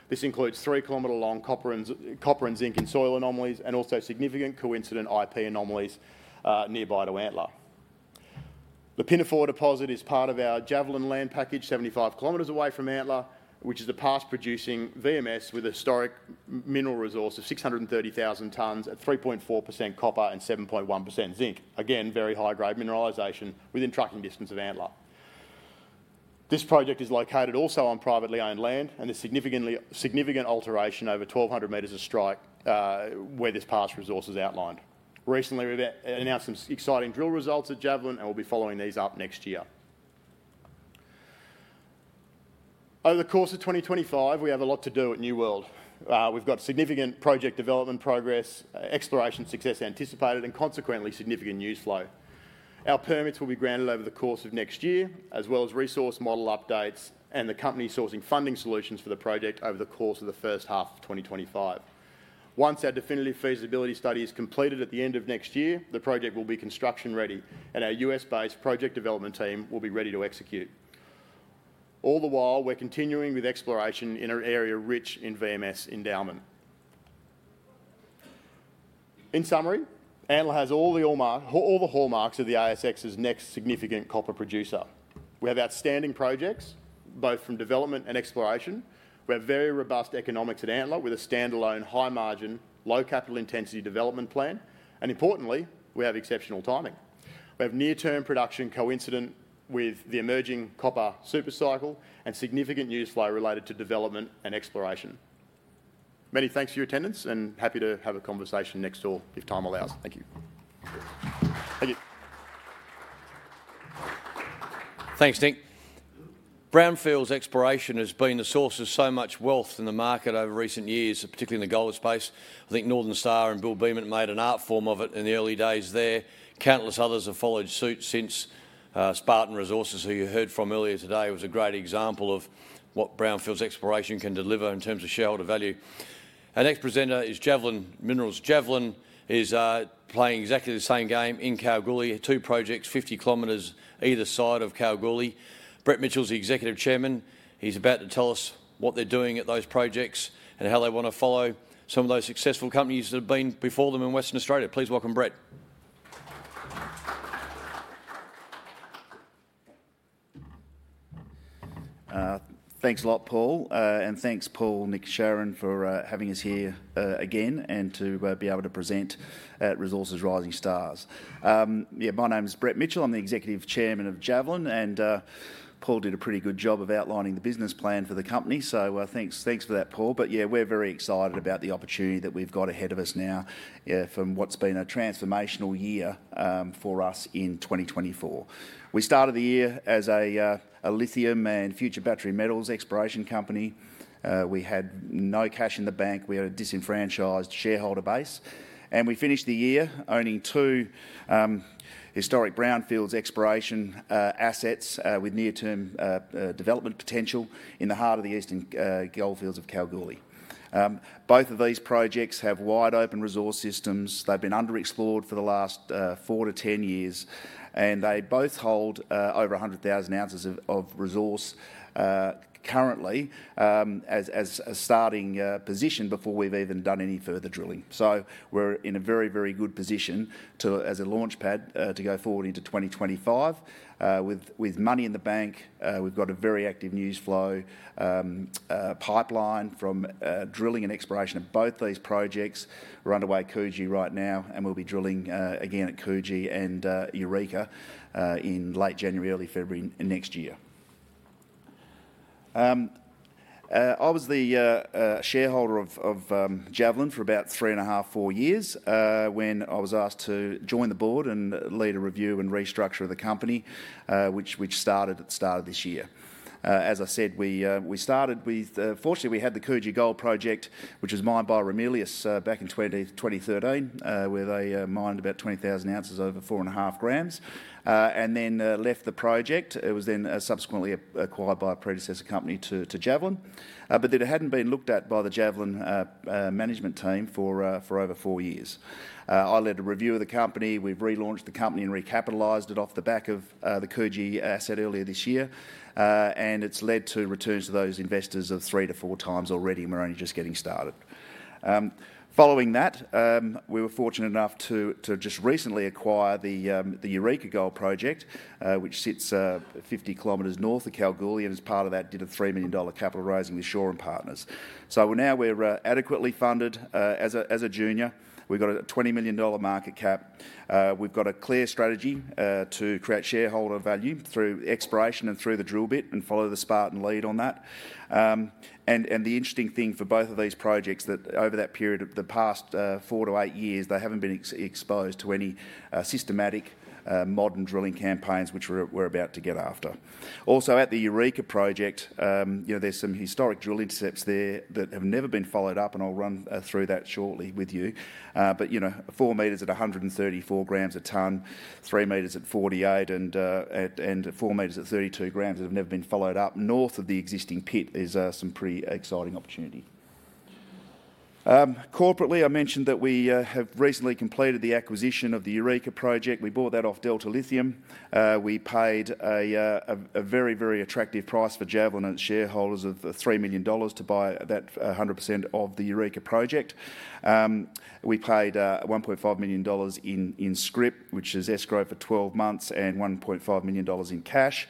This includes three-kilometer-long copper and zinc in soil anomalies and also significant coincident IP anomalies nearby to Antler. The Pinafore deposit is part of our Javelin land package 75 kilometers away from Antler, which is a past-producing VMS with a historic mineral resource of 630,000 tons at 3.4% copper and 7.1% zinc. Again, very high-grade mineralization within tracking distance of Antler. This project is located also on privately owned land, and there's significant alteration over 1,200 meters of strike where this past resource is outlined. Recently, we announced some exciting drill results at Javelin, and we'll be following these up next year. Over the course of 2025, we have a lot to do at New World. We've got significant project development progress, exploration success anticipated, and consequently significant news flow. Our permits will be granted over the course of next year, as well as resource model updates and the company sourcing funding solutions for the project over the course of the first half of 2025. Once our definitive feasibility study is completed at the end of next year, the project will be construction-ready, and our U.S.-based project development team will be ready to execute. All the while, we're continuing with exploration in an area rich in VMS endowment. In summary, Antler has all the hallmarks of the ASX's next significant copper producer. We have outstanding projects, both from development and exploration. We have very robust economics at Antler with a standalone high-margin, low-capital-intensity development plan, and importantly, we have exceptional timing. We have near-term production coincident with the emerging copper supercycle and significant news flow related to development and exploration. Many thanks for your attendance, and happy to have a conversation next door if time allows. Thank you. Thank you. Thanks, Nick. Brownfields exploration has been the source of so much wealth in the market over recent years, particularly in the gold space. I think Northern Star and Bill Beament made an art form of it in the early days there. Countless others have followed suit since. Spartan Resources, who you heard from earlier today, was a great example of what Brownfields exploration can deliver in terms of shareholder value. Our next presenter is Javelin Minerals. Javelin is playing exactly the same game in Kalgoorlie, two projects, 50 kilometers either side of Kalgoorlie. Brett Mitchell's the Executive Chairman. He's about to tell us what they're doing at those projects and how they want to follow some of those successful companies that have been before them in Western Australia. Please welcome Brett. Thanks a lot, Paul, and thanks, Paul, Nick, Sharon, for having us here again and to be able to present at Resources Rising Stars. Yeah, my name is Brett Mitchell. I'm the Executive Chairman of Javelin, and Paul did a pretty good job of outlining the business plan for the company, so thanks for that, Paul. But yeah, we're very excited about the opportunity that we've got ahead of us now from what's been a transformational year for us in 2024. We started the year as a lithium and future battery metals exploration company. We had no cash in the bank. We had a disenfranchised shareholder base. And we finished the year owning two historic brownfields exploration assets with near-term development potential in the heart of the Eastern Goldfields of Kalgoorlie. Both of these projects have wide open resource systems. They've been underexplored for the last four to 10 years, and they both hold over 100,000 ounces of resource currently as a starting position before we've even done any further drilling. So we're in a very, very good position as a launchpad to go forward into 2025. With money in the bank, we've got a very active news flow pipeline from drilling and exploration of both these projects. We're underway at Coogee right now, and we'll be drilling again at Coogee and Eureka in late January, early February next year. I was the shareholder of Javelin for about three and a half, four years when I was asked to join the board and lead a review and restructure of the company, which started at the start of this year. As I said, we started with, fortunately, we had the Coogee Gold Project, which was mined by Ramelius back in 2013, where they mined about 20,000 ounces over four and a half grams, and then left the project. It was then subsequently acquired by a predecessor company to Javelin, but it hadn't been looked at by the Javelin management team for over four years. I led a review of the company. We've relaunched the company and recapitalized it off the back of the Coogee asset earlier this year, and it's led to returns to those investors of three to four times already, and we're only just getting started. Following that, we were fortunate enough to just recently acquire the Eureka Gold Project, which sits 50 kilometers north of Kalgoorlie and is part of that dilutive 3 million dollar capital raising with Shaw and Partners. So now we're adequately funded as a junior. We've got a 20 million dollar market cap. We've got a clear strategy to create shareholder value through exploration and through the drill bit and follow the Spartan lead on that. And the interesting thing for both of these projects is that over that period of the past four to eight years, they haven't been exposed to any systematic modern drilling campaigns, which we're about to get after. Also, at the Eureka project, there's some historic drill intercepts there that have never been followed up, and I'll run through that shortly with you. But four meters at 134 grams a ton, three meters at 48, and four meters at 32 grams have never been followed up. North of the existing pit is some pretty exciting opportunity. Corporately, I mentioned that we have recently completed the acquisition of the Eureka project. We bought that off Delta Lithium. We paid a very, very attractive price for Javelin and its shareholders of 3 million dollars to buy that 100% of the Eureka project. We paid 1.5 million dollars in scrip, which is escrow for 12 months, and 1.5 million dollars in cash.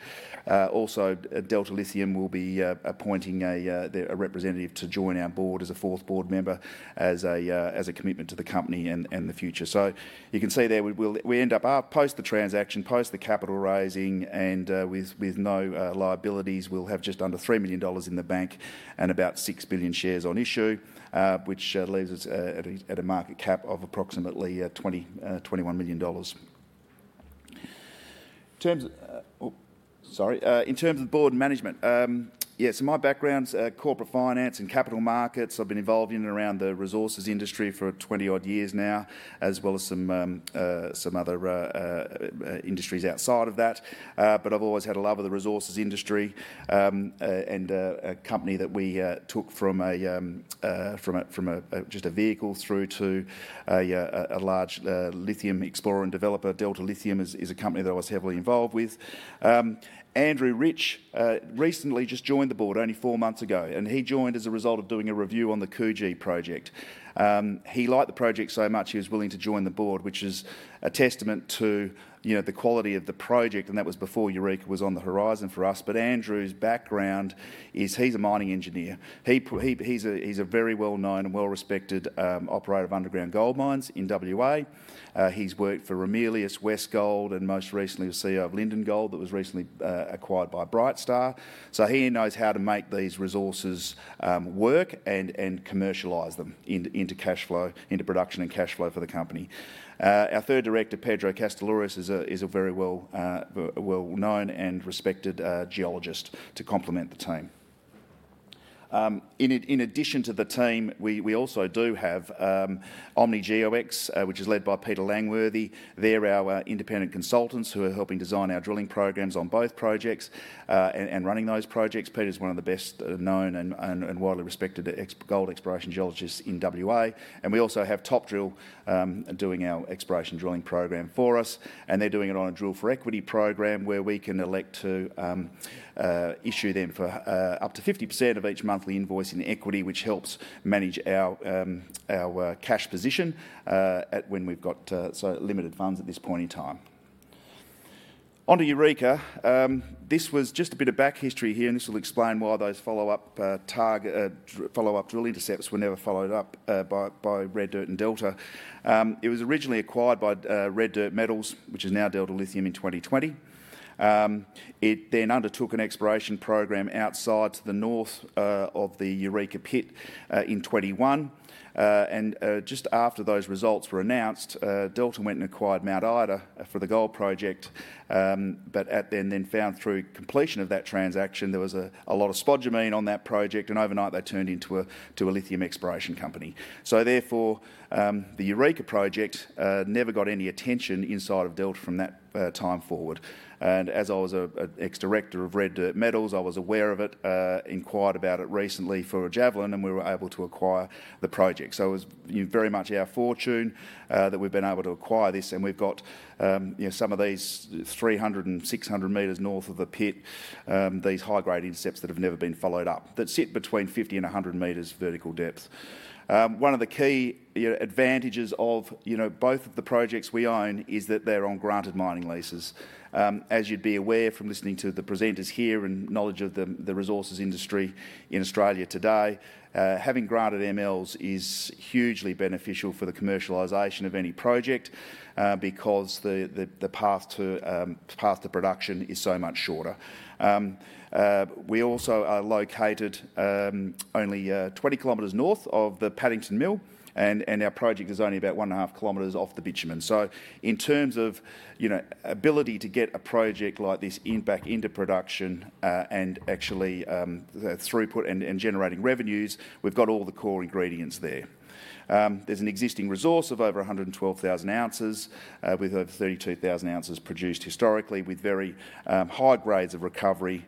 Also, Delta Lithium will be appointing a representative to join our board as a fourth board member as a commitment to the company and the future, so you can see there we end up post the transaction, post the capital raising, and with no liabilities, we'll have just under 3 million dollars in the bank and about 6 billion shares on issue, which leaves us at a market cap of approximately 21 million dollars. Sorry. In terms of board management, yeah, so my background's corporate finance and capital markets. I've been involved in and around the resources industry for 20-odd years now, as well as some other industries outside of that. But I've always had a love of the resources industry and a company that we took from just a vehicle through to a large lithium explorer and developer. Delta Lithium is a company that I was heavily involved with. Andrew Rich recently just joined the board only four months ago, and he joined as a result of doing a review on the Coogee project. He liked the project so much he was willing to join the board, which is a testament to the quality of the project, and that was before Eureka was on the horizon for us. But Andrew's background is he's a mining engineer. He's a very well-known and well-respected operator of underground gold mines in WA. He's worked for Ramelius, Westgold, and most recently was CEO of Linden Gold that was recently acquired by Brightstar. So he knows how to make these resources work and commercialize them into production and cash flow for the company. Our third director, Pedro Kastellorizos, is a very well-known and respected geologist to complement the team. In addition to the team, we also do have Omni GeoX, which is led by Peter Langworthy. They're our independent consultants who are helping design our drilling programs on both projects and running those projects. Peter's one of the best-known and widely respected gold exploration geologists in WA. And we also have Topdrill doing our exploration drilling program for us, and they're doing it on a drill for equity program where we can elect to issue them for up to 50% of each monthly invoice in equity, which helps manage our cash position when we've got so limited funds at this point in time. Onto Eureka. This was just a bit of back history here, and this will explain why those follow-up drill intercepts were never followed up by Red Dirt and Delta. It was originally acquired by Red Dirt Metals, which is now Delta Lithium, in 2020. It then undertook an exploration program outside the north of the Eureka pit in 2021, and just after those results were announced, Delta went and acquired Mount Ida for the gold project, but then found through completion of that transaction, there was a lot of spodumene on that project, and overnight they turned into a lithium exploration company, so therefore the Eureka project never got any attention inside of Delta from that time forward, and as I was an ex-director of Red Dirt Metals, I was aware of it, inquired about it recently for Javelin, and we were able to acquire the project. So it was very much our fortune that we've been able to acquire this, and we've got some of these 300 and 600 meters north of the pit, these high-grade intercepts that have never been followed up that sit between 50 and 100 meters vertical depth. One of the key advantages of both of the projects we own is that they're on granted mining leases. As you'd be aware from listening to the presenters here and knowledge of the resources industry in Australia today, having granted MLs is hugely beneficial for the commercialization of any project because the path to production is so much shorter. We also are located only 20 kilometers north of the Paddington Mill, and our project is only about one and a half kilometers off the bitumen. So in terms of ability to get a project like this back into production and actually throughput and generating revenues, we've got all the core ingredients there. There's an existing resource of over 112,000 ounces. We've had 32,000 ounces produced historically with very high grades of recovery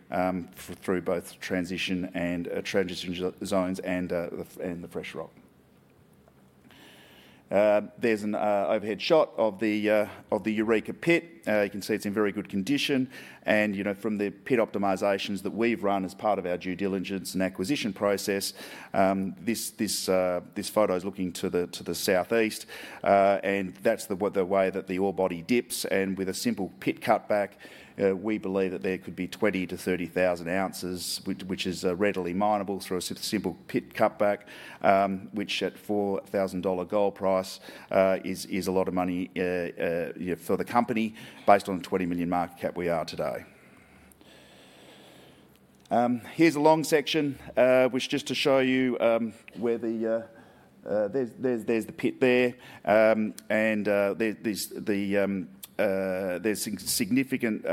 through both transition zones and the fresh rock. There's an overhead shot of the Eureka pit. You can see it's in very good condition. And from the pit optimizations that we've run as part of our due diligence and acquisition process, this photo is looking to the southeast, and that's the way that the ore body dips. With a simple pit cutback, we believe that there could be 20-30,000 ounces, which is readily minable through a simple pit cutback, which at $4,000 gold price is a lot of money for the company based on the 20 million market cap we are today. Here's a long section, which just to show you where there's the pit there, and there's significant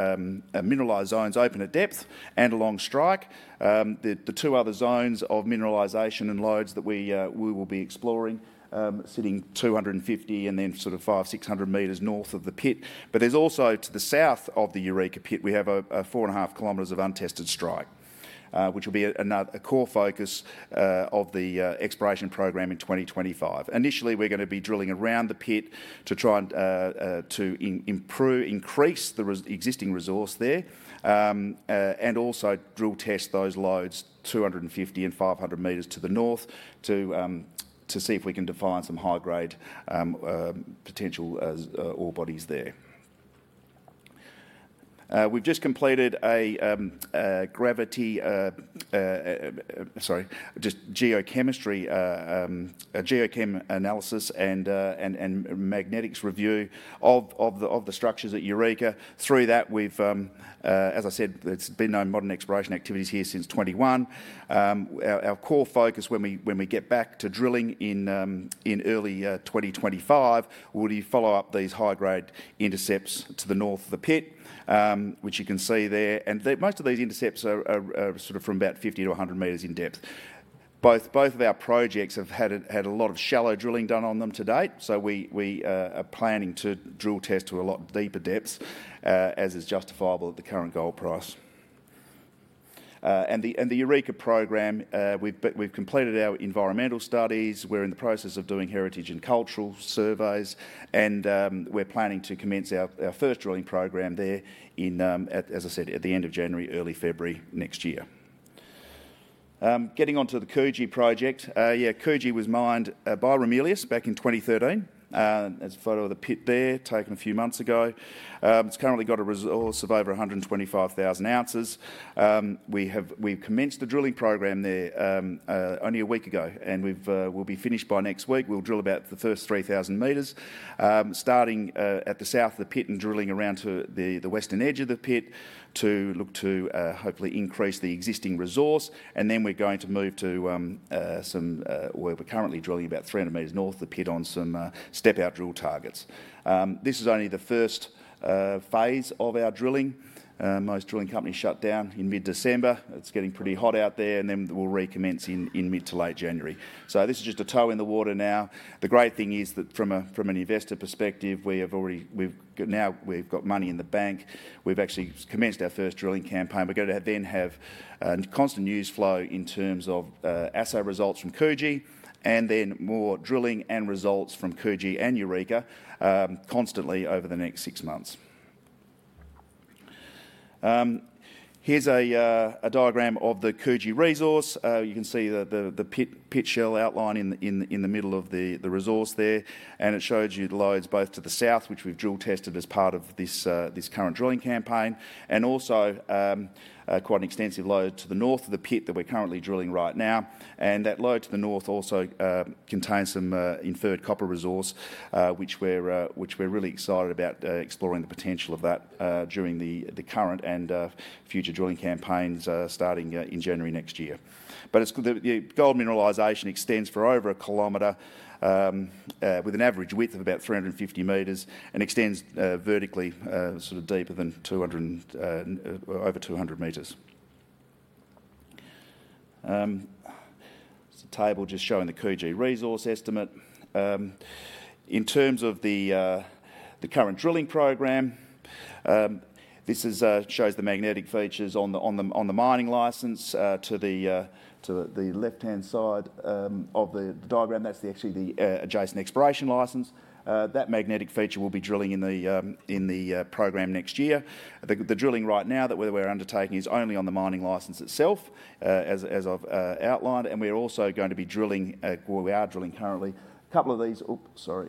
mineralized zones open at depth and along strike. The two other zones of mineralization and lodes that we will be exploring sitting 250 and then sort of 500-600 meters north of the pit, but there's also to the south of the Eureka pit, we have 4.5 kilometers of untested strike, which will be a core focus of the exploration program in 2025. Initially, we're going to be drilling around the pit to try to increase the existing resource there and also drill test those lodes 250 and 500 meters to the north to see if we can define some high-grade potential ore bodies there. We've just completed geochemistry, geochem analysis and magnetics review of the structures at Eureka. Through that, we've, as I said, there's been no modern exploration activities here since 2021. Our core focus when we get back to drilling in early 2025 will be to follow up these high-grade intercepts to the north of the pit, which you can see there, and most of these intercepts are sort of from about 50 to 100 meters in depth. Both of our projects have had a lot of shallow drilling done on them to date, so we are planning to drill test to a lot deeper depths as is justifiable at the current gold price. And the Eureka program, we've completed our environmental studies. We're in the process of doing heritage and cultural surveys, and we're planning to commence our first drilling program there in, as I said, at the end of January, early February next year. Getting on to theCoogee project. Yeah, Coogee was mined by Ramelius back in 2013. There's a photo of the pit there taken a few months ago. It's currently got a resource of over 125,000 ounces. We've commenced the drilling program there only a week ago, and we'll be finished by next week. We'll drill about the first 3,000 meters starting at the south of the pit and drilling around to the western edge of the pit to look to hopefully increase the existing resource. And then we're going to move to somewhere we're currently drilling about 300 meters north of the pit on some step-out drill targets. This is only the first phase of our drilling. Most drilling companies shut down in mid-December. It's getting pretty hot out there, and then we'll recommence in mid to late January. So this is just a toe in the water now. The great thing is that from an investor perspective, we've now got money in the bank. We've actually commenced our first drilling campaign. We're going to then have constant news flow in terms of assay results from Coogee and then more drilling and results from Coogee and Eureka constantly over the next six months. Here's a diagram of the Coogee resource. You can see the pit shell outline in the middle of the resource there, and it shows you the lodes both to the south, which we've drill tested as part of this current drilling campaign, and also quite an extensive lode to the north of the pit that we're currently drilling right now, and that lode to the north also contains some inferred copper resource, which we're really excited about exploring the potential of that during the current and future drilling campaigns starting in January next year. But the gold mineralization extends for over a kilometer with an average width of about 350 meters and extends vertically sort of deeper than over 200 meters. It's a table just showing the Coogee resource estimate. In terms of the current drilling program, this shows the magnetic features on the mining license to the left-hand side of the diagram. That's actually the adjacent exploration license. That magnetic feature will be drilling in the program next year. The drilling right now that we're undertaking is only on the mining license itself, as I've outlined, and we're also going to be drilling where we are drilling currently. A couple of these oops, sorry.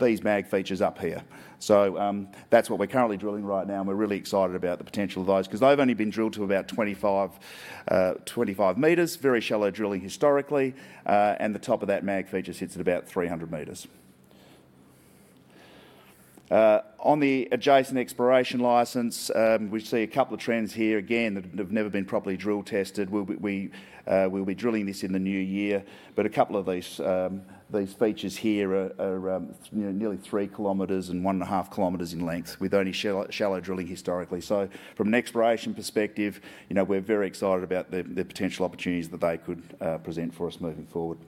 These mag features up here. So that's what we're currently drilling right now, and we're really excited about the potential of those because they've only been drilled to about 25 meters, very shallow drilling historically, and the top of that mag feature sits at about 300 meters. On the adjacent exploration license, we see a couple of trends here again that have never been properly drill tested. We'll be drilling this in the new year, but a couple of these features here are nearly 3 kilometers and 1.5 kilometers in length with only shallow drilling historically. So from an exploration perspective, we're very excited about the potential opportunities that they could present for us moving forward.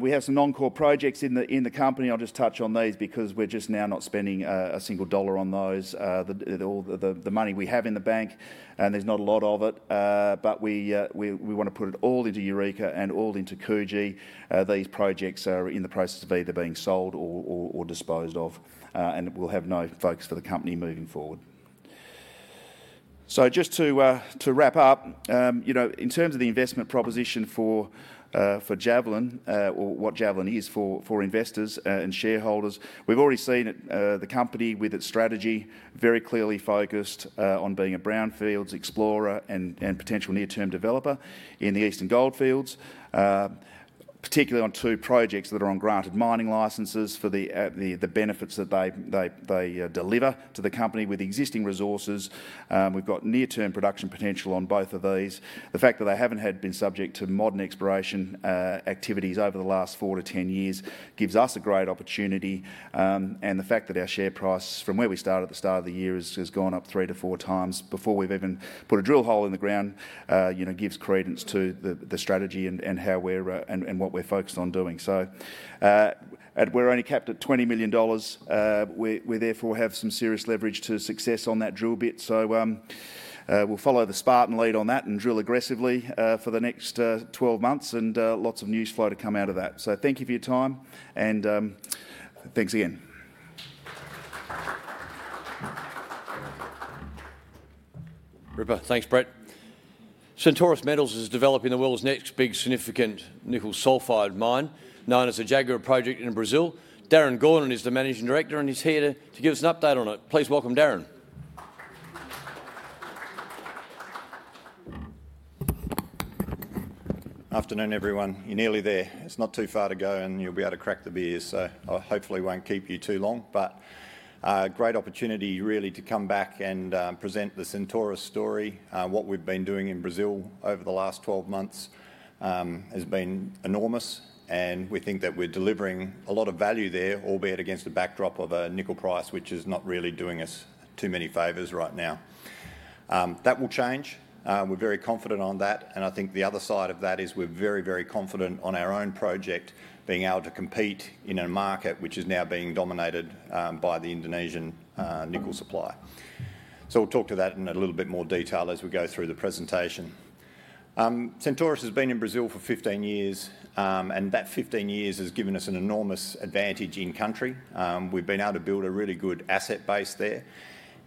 We have some non-core projects in the company. I'll just touch on these because we're just now not spending a single dollar on those. The money we have in the bank, and there's not a lot of it, but we want to put it all into Eureka and all into Coogee. These projects are in the process of either being sold or disposed of, and we'll have no focus for the company moving forward. So just to wrap up, in terms of the investment proposition for Javelin or what Javelin is for investors and shareholders, we've already seen the company with its strategy very clearly focused on being a brownfields explorer, and potential near-term developer in the Eastern Goldfields, particularly on two projects that are on granted mining licenses for the benefits that they deliver to the company with existing resources. We've got near-term production potential on both of these. The fact that they haven't been subject to modern exploration activities over the last four to 10 years gives us a great opportunity. The fact that our share price from where we started at the start of the year has gone up three to four times before we've even put a drill hole in the ground gives credence to the strategy and what we're focused on doing. So we're only capped at 20 million dollars. We therefore have some serious leverage to success on that drill bit. So we'll follow the Spartan lead on that and drill aggressively for the next 12 months and lots of news flow to come out of that. So thank you for your time, and thanks again. Ripper. Thanks, Brett. Centaurus Metals is developing the world's next big significant nickel sulfide mine known as the Jaguar Project in Brazil. Darren Gordon is the Managing Director, and he's here to give us an update on it. Please welcome Darren. Afternoon, everyone. You're nearly there. It's not too far to go, and you'll be able to crack the beers, so I hopefully won't keep you too long, but great opportunity really to come back and present the Centaurus story. What we've been doing in Brazil over the last 12 months has been enormous, and we think that we're delivering a lot of value there, albeit against a backdrop of a nickel price which is not really doing us too many favors right now. That will change. We're very confident on that, and I think the other side of that is we're very, very confident on our own project being able to compete in a market which is now being dominated by the Indonesian nickel supply, so we'll talk to that in a little bit more detail as we go through the presentation. Centaurus has been in Brazil for 15 years, and that 15 years has given us an enormous advantage in country. We've been able to build a really good asset base there,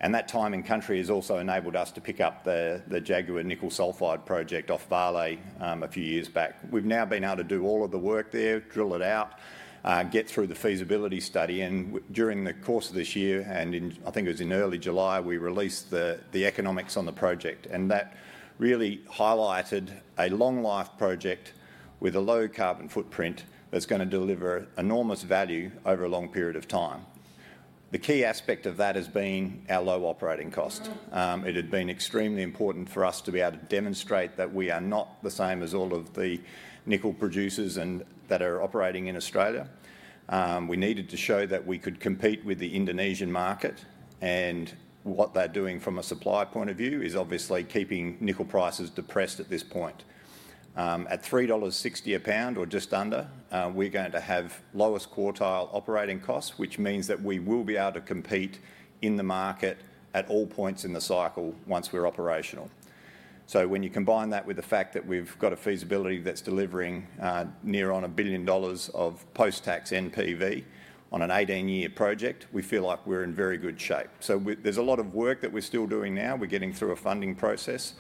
and that time in country has also enabled us to pick up the Jaguar Nickel Sulfide Project off Vale a few years back. We've now been able to do all of the work there, drill it out, get through the feasibility study, and during the course of this year, and I think it was in early July, we released the economics on the project, and that really highlighted a long-life project with a low carbon footprint that's going to deliver enormous value over a long period of time. The key aspect of that has been our low operating cost. It had been extremely important for us to be able to demonstrate that we are not the same as all of the nickel producers that are operating in Australia. We needed to show that we could compete with the Indonesian market, and what they're doing from a supply point of view is obviously keeping nickel prices depressed at this point. At $3.60 a pound or just under, we're going to have lowest quartile operating costs, which means that we will be able to compete in the market at all points in the cycle once we're operational. So when you combine that with the fact that we've got a feasibility that's delivering near on a billion dollars of post-tax NPV on an 18-year project, we feel like we're in very good shape. So there's a lot of work that we're still doing now. We're getting through a funding process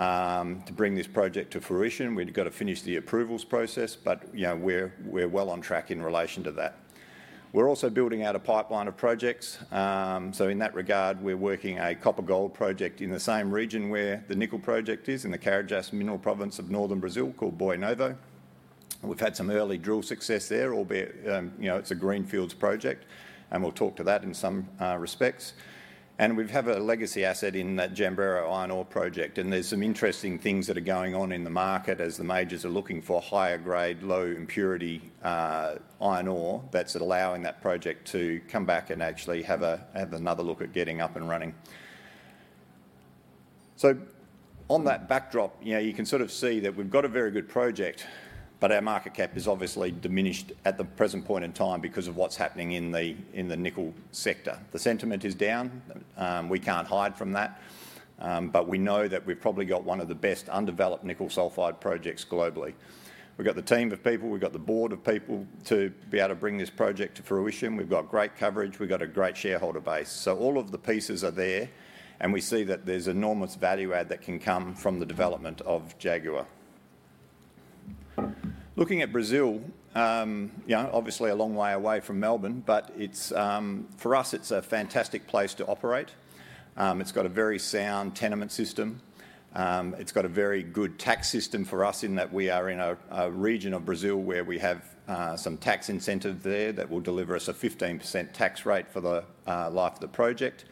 to bring this project to fruition. We've got to finish the approvals process, but we're well on track in relation to that. We're also building out a pipeline of projects. So in that regard, we're working a copper-gold project in the same region where the nickel project is in the Carajás Mineral Province of northern Brazil called Boi Novo. We've had some early drill success there, albeit it's a greenfields project, and we'll talk to that in some respects. And we have a legacy asset in that Jambreiro iron ore project, and there's some interesting things that are going on in the market as the majors are looking for higher-grade, low impurity iron ore that's allowing that project to come back and actually have another look at getting up and running. So on that backdrop, you can sort of see that we've got a very good project, but our market cap is obviously diminished at the present point in time because of what's happening in the nickel sector. The sentiment is down. We can't hide from that, but we know that we've probably got one of the best undeveloped nickel sulfide projects globally. We've got the team of people. We've got the board of people to be able to bring this project to fruition. We've got great coverage. We've got a great shareholder base. So all of the pieces are there, and we see that there's enormous value add that can come from the development of Jaguar. Looking at Brazil, obviously a long way away from Melbourne, but for us, it's a fantastic place to operate. It's got a very sound tenement system. It's got a very good tax system for us in that we are in a region of Brazil where we have some tax incentives there that will deliver us a 15% tax rate for the life of the project.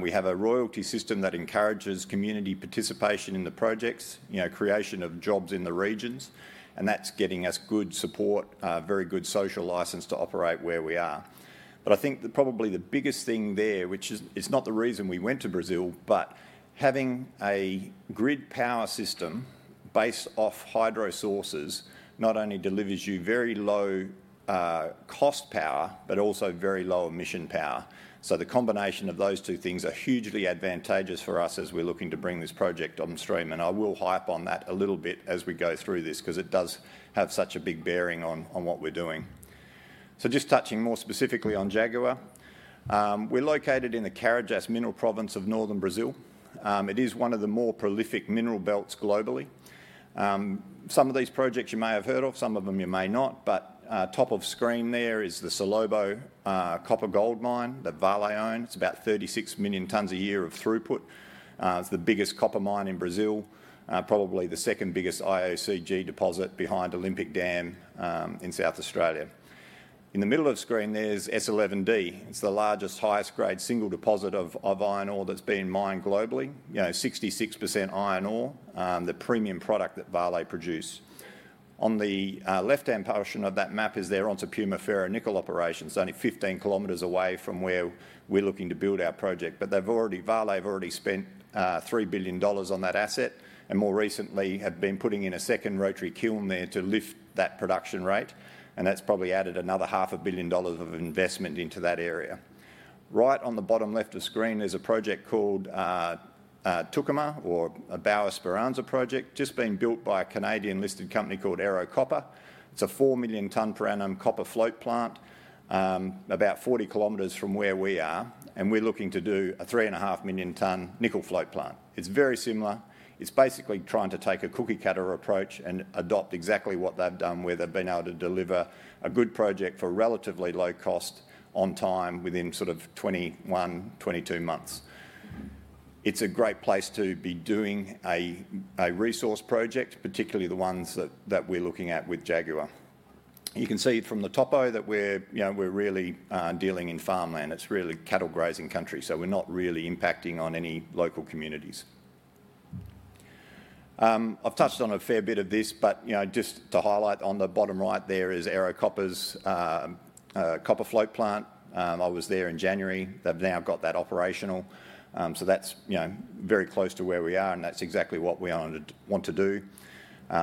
We have a royalty system that encourages community participation in the projects, creation of jobs in the regions, and that's getting us good support, very good social license to operate where we are. But I think probably the biggest thing there, which is not the reason we went to Brazil, but having a grid power system based off hydro sources not only delivers you very low cost power, but also very low emission power. The combination of those two things are hugely advantageous for us as we're looking to bring this project upstream, and I will hype on that a little bit as we go through this because it does have such a big bearing on what we're doing. Just touching more specifically on Jaguar, we're located in the Carajás mineral province of northern Brazil. It is one of the more prolific mineral belts globally. Some of these projects you may have heard of. Some of them you may not, but top of screen there is the Salobo copper-gold mine that Vale owns. It's about 36 million tonnes a year of throughput. It's the biggest copper mine in Brazil, probably the second biggest IOCG deposit behind Olympic Dam in South Australia. In the middle of screen, there's S11D. It's the largest highest-grade single deposit of iron ore that's been mined globally, 66% iron ore, the premium product that Vale produce. On the left-hand portion of that map is their Onça Puma nickel operations. It's only 15 kilometers away from where we're looking to build our project, but Vale have already spent $3 billion on that asset and more recently have been putting in a second rotary kiln there to lift that production rate, and that's probably added another $500 million of investment into that area. Right on the bottom left of screen is a project called Tucumã or a Boa Esperança project, just being built by a Canadian listed company called Ero Copper. It's a 4 million-tonne per annum copper float plant about 40 kilometers from where we are, and we're looking to do a 3.5 million-tonne nickel float plant. It's very similar. It's basically trying to take a cookie-cutter approach and adopt exactly what they've done where they've been able to deliver a good project for relatively low cost on time within sort of 21, 22 months. It's a great place to be doing a resource project, particularly the ones that we're looking at with Jaguar. You can see from the topo that we're really dealing in farmland. It's really cattle-grazing country, so we're not really impacting on any local communities. I've touched on a fair bit of this, but just to highlight, on the bottom right there is Ero Copper's copper float plant. I was there in January. They've now got that operational. So that's very close to where we are, and that's exactly what we want to do.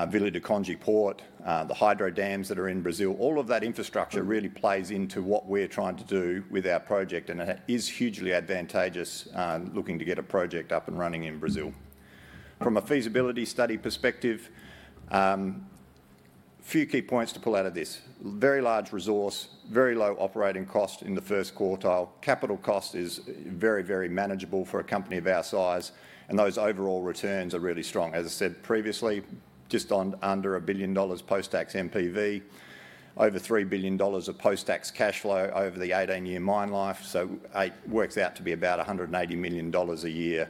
Vila do Conde Port, the hydro dams that are in Brazil, all of that infrastructure really plays into what we're trying to do with our project, and it is hugely advantageous looking to get a project up and running in Brazil. From a feasibility study perspective, a few key points to pull out of this. Very large resource, very low operating cost in the first quartile. Capital cost is very, very manageable for a company of our size, and those overall returns are really strong. As I said previously, just under a billion dollars post-tax NPV, over $3 billion of post-tax cash flow over the 18-year mine life, so it works out to be about $180 million a year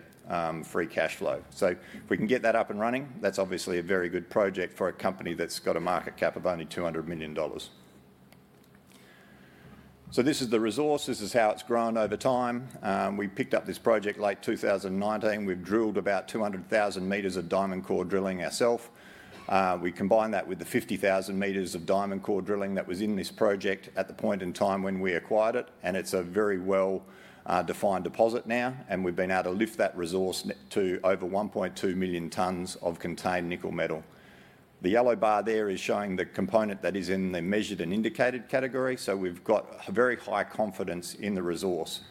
free cash flow. If we can get that up and running, that's obviously a very good project for a company that's got a market cap of only $200 million. So this is the resource. This is how it's grown over time. We picked up this project late 2019. We've drilled about 200,000 meters of diamond core drilling ourselves. We combine that with the 50,000 meters of diamond core drilling that was in this project at the point in time when we acquired it, and it's a very well-defined deposit now, and we've been able to lift that resource to over 1.2 million tons of contained nickel metal. The yellow bar there is showing the component that is in the measured and indicated category, so we've got very high confidence in the resource.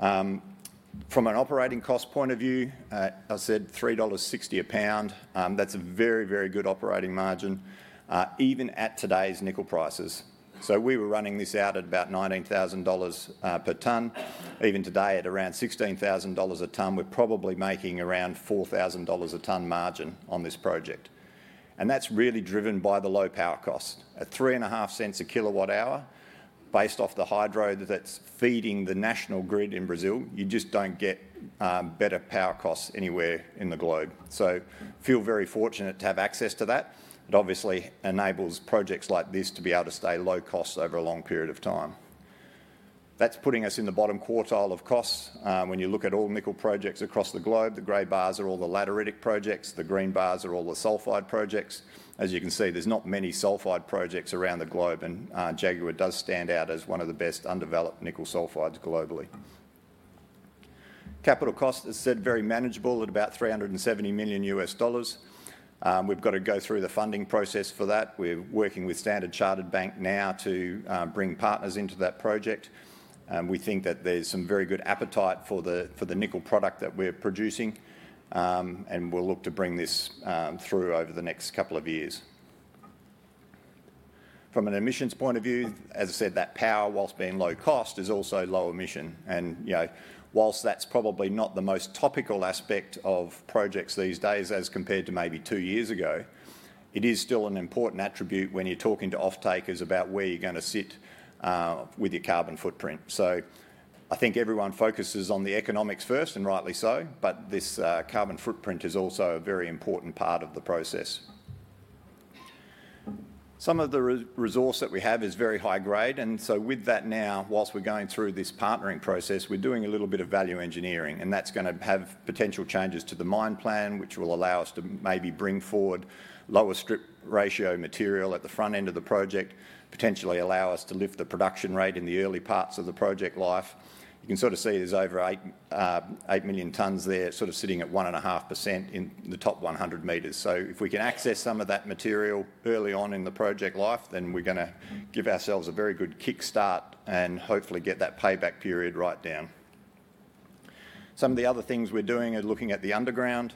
From an operating cost point of view, I said $3.60 a pound. That's a very, very good operating margin even at today's nickel prices. So we were running this out at about $19,000 per ton. Even today at around $16,000 a tonne, we're probably making around $4,000 a tonne margin on this project, and that's really driven by the low power cost. At $0.035 a kilowatt hour, based off the hydro that's feeding the national grid in Brazil, you just don't get better power costs anywhere in the globe, so feel very fortunate to have access to that. It obviously enables projects like this to be able to stay low cost over a long period of time. That's putting us in the bottom quartile of costs. When you look at all nickel projects across the globe, the grey bars are all the lateritic projects. The green bars are all the sulfide projects. As you can see, there's not many sulfide projects around the globe, and Jaguar does stand out as one of the best undeveloped nickel sulfides globally. Capital cost, as said, very manageable at about $370 million US dollars. We've got to go through the funding process for that. We're working with Standard Chartered Bank now to bring partners into that project. We think that there's some very good appetite for the nickel product that we're producing, and we'll look to bring this through over the next couple of years. From an emissions point of view, as I said, that power, whilst being low cost, is also low emission. And whilst that's probably not the most topical aspect of projects these days as compared to maybe two years ago, it is still an important attribute when you're talking to off-takers about where you're going to sit with your carbon footprint. So I think everyone focuses on the economics first, and rightly so, but this carbon footprint is also a very important part of the process. Some of the resource that we have is very high grade, and so with that now, while we're going through this partnering process, we're doing a little bit of value engineering, and that's going to have potential changes to the mine plan, which will allow us to maybe bring forward lower strip ratio material at the front end of the project, potentially allow us to lift the production rate in the early parts of the project life. You can sort of see there's over eight million tons there, sort of sitting at 1.5% in the top 100 meters. So if we can access some of that material early on in the project life, then we're going to give ourselves a very good kickstart and hopefully get that payback period right down. Some of the other things we're doing are looking at the underground.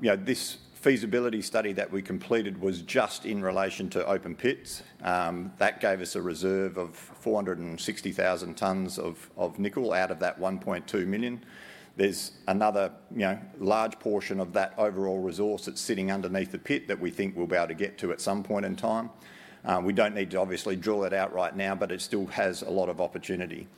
This feasibility study that we completed was just in relation to open pits. That gave us a reserve of 460,000 tonnes of nickel out of that 1.2 million. There's another large portion of that overall resource that's sitting underneath the pit that we think we'll be able to get to at some point in time. We don't need to obviously drill it out right now, but it still has a lot of opportunity.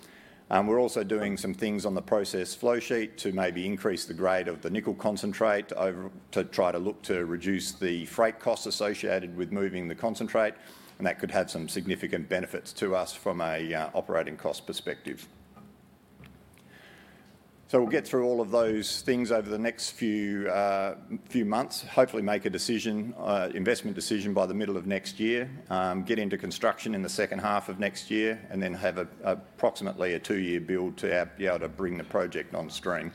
We're also doing some things on the process flowsheet to maybe increase the grade of the nickel concentrate to try to look to reduce the freight cost associated with moving the concentrate, and that could have some significant benefits to us from an operating cost perspective. We'll get through all of those things over the next few months, hopefully make an investment decision by the middle of next year, get into construction in the second half of next year, and then have approximately a two-year build to be able to bring the project on stream.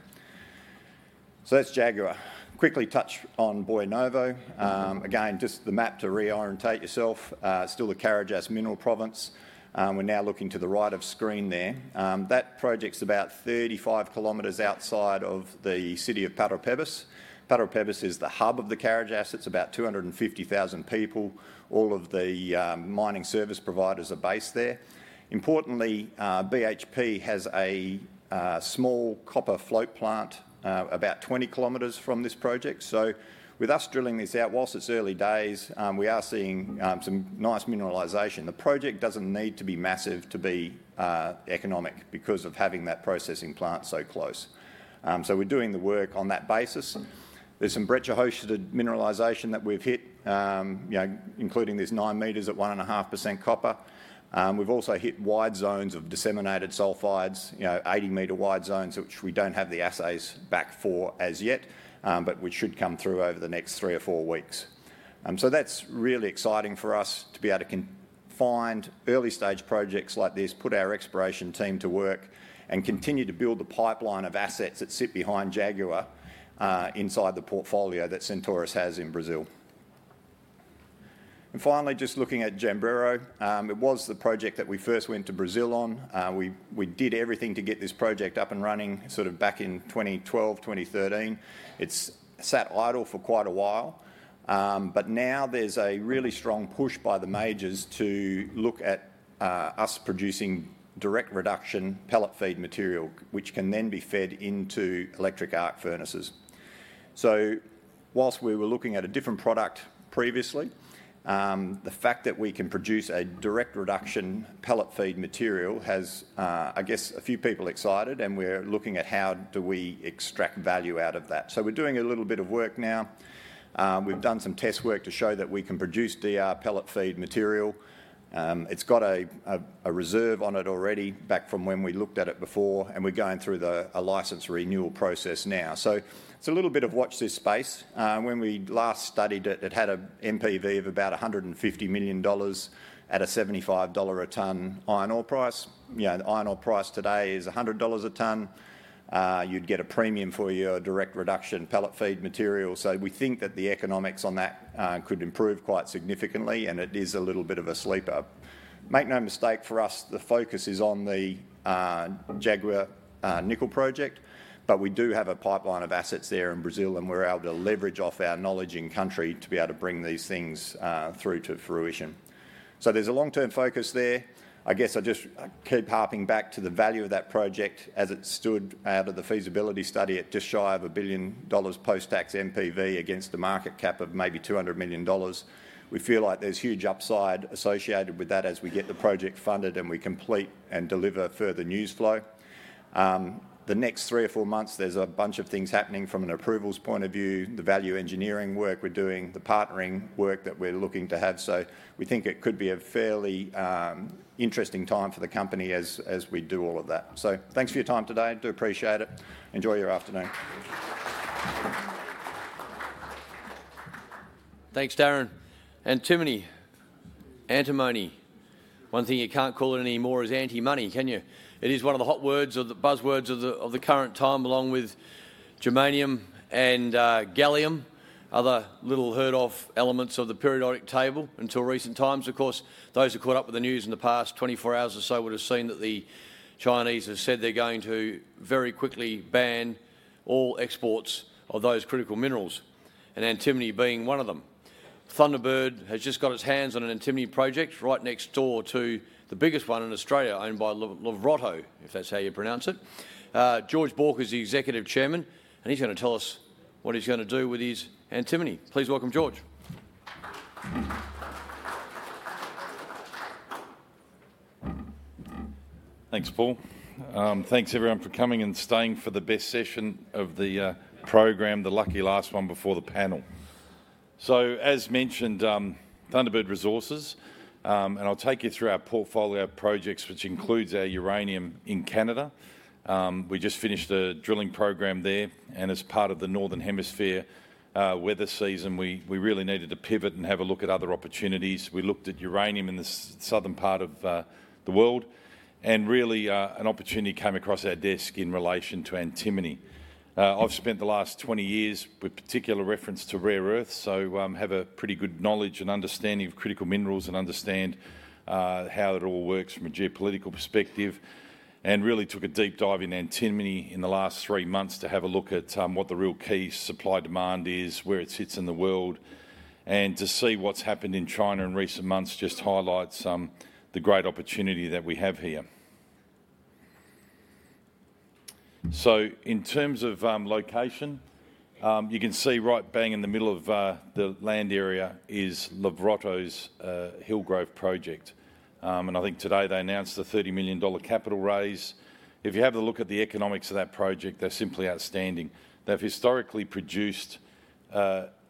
That's Jaguar. Quickly touch on Boi Novo. Again, just the map to reorient yourself. Still the Carajás mineral province. We're now looking to the right of screen there. That project's about 35 kilometers outside of the city of Parauapebas. Parauapebas is the hub of the Carajás. It's about 250,000 people. All of the mining service providers are based there. Importantly, BHP has a small copper float plant about 20 kilometers from this project. So with us drilling this out, while it's early days, we are seeing some nice mineralization. The project doesn't need to be massive to be economic because of having that processing plant so close. So we're doing the work on that basis. There's some breccia-hosted mineralization that we've hit, including this 9 meters at 1.5% copper. We've also hit wide zones of disseminated sulfides, 80-meter wide zones, which we don't have the assays back for as yet, but which should come through over the next three or four weeks. So that's really exciting for us to be able to find early-stage projects like this, put our exploration team to work, and continue to build the pipeline of assets that sit behind Jaguar inside the portfolio that Centaurus has in Brazil. And finally, just looking at Jambreiro, it was the project that we first went to Brazil on. We did everything to get this project up and running sort of back in 2012, 2013. It's sat idle for quite a while, but now there's a really strong push by the majors to look at us producing direct reduction pellet feed material, which can then be fed into electric arc furnaces. So whilst we were looking at a different product previously, the fact that we can produce a direct reduction pellet feed material has, I guess, a few people excited, and we're looking at how do we extract value out of that. So we're doing a little bit of work now. We've done some test work to show that we can produce DR pellet feed material. It's got a reserve on it already back from when we looked at it before, and we're going through a license renewal process now. So it's a little bit of watch this space. When we last studied it, it had an NPV of about $150 million at a $75 a tonne iron ore price. Iron ore price today is $100 a tonne. You'd get a premium for your direct reduction pellet feed material. So we think that the economics on that could improve quite significantly, and it is a little bit of a sleeper. Make no mistake, for us, the focus is on the Jaguar nickel project, but we do have a pipeline of assets there in Brazil, and we're able to leverage off our knowledge in country to be able to bring these things through to fruition. So there's a long-term focus there. I guess I just keep harping back to the value of that project as it stood out of the feasibility study. It's just shy of a billion dollars post-tax NPV against a market cap of maybe $200 million. We feel like there's huge upside associated with that as we get the project funded and we complete and deliver further news flow. The next three or four months, there's a bunch of things happening from an approvals point of view, the value engineering work we're doing, the partnering work that we're looking to have. So we think it could be a fairly interesting time for the company as we do all of that. So thanks for your time today. I do appreciate it. Enjoy your afternoon. Thanks, Darren. And too many antimony. One thing you can't call it anymore is anti-money, can you? It is one of the hot words or the buzzwords of the current time, along with germanium and gallium, other little heard-of elements of the periodic table until recent times. Of course, those who caught up with the news in the past 24 hours or so would have seen that the Chinese have said they're going to very quickly ban all exports of those critical minerals, and antimony being one of them. Thunderbird has just got its hands on an antimony project right next door to the biggest one in Australia, owned by Mandalay, if that's how you pronounce it. George Bauk is the Executive Chairman, and he's going to tell us what he's going to do with his antimony. Please welcome George. Thanks, Paul. Thanks, everyone, for coming and staying for the best session of the program, the lucky last one before the panel. As mentioned, Thunderbird Resources, and I'll take you through our portfolio projects, which includes our uranium in Canada. We just finished a drilling program there, and as part of the northern hemisphere weather season, we really needed to pivot and have a look at other opportunities. We looked at uranium in the southern part of the world, and really an opportunity came across our desk in relation to antimony. I've spent the last 20 years with particular reference to rare earth, so have a pretty good knowledge and understanding of critical minerals and understand how it all works from a geopolitical perspective, and really took a deep dive in antimony in the last three months to have a look at what the real key supply and demand is, where it sits in the world, and to see what's happened in China in recent months just highlights the great opportunity that we have here. In terms of location, you can see right bang in the middle of the land area is Larvotto Hillgrove Project, and I think today they announced the AUD 30 million capital raise. If you have a look at the economics of that project, they're simply outstanding. They've historically produced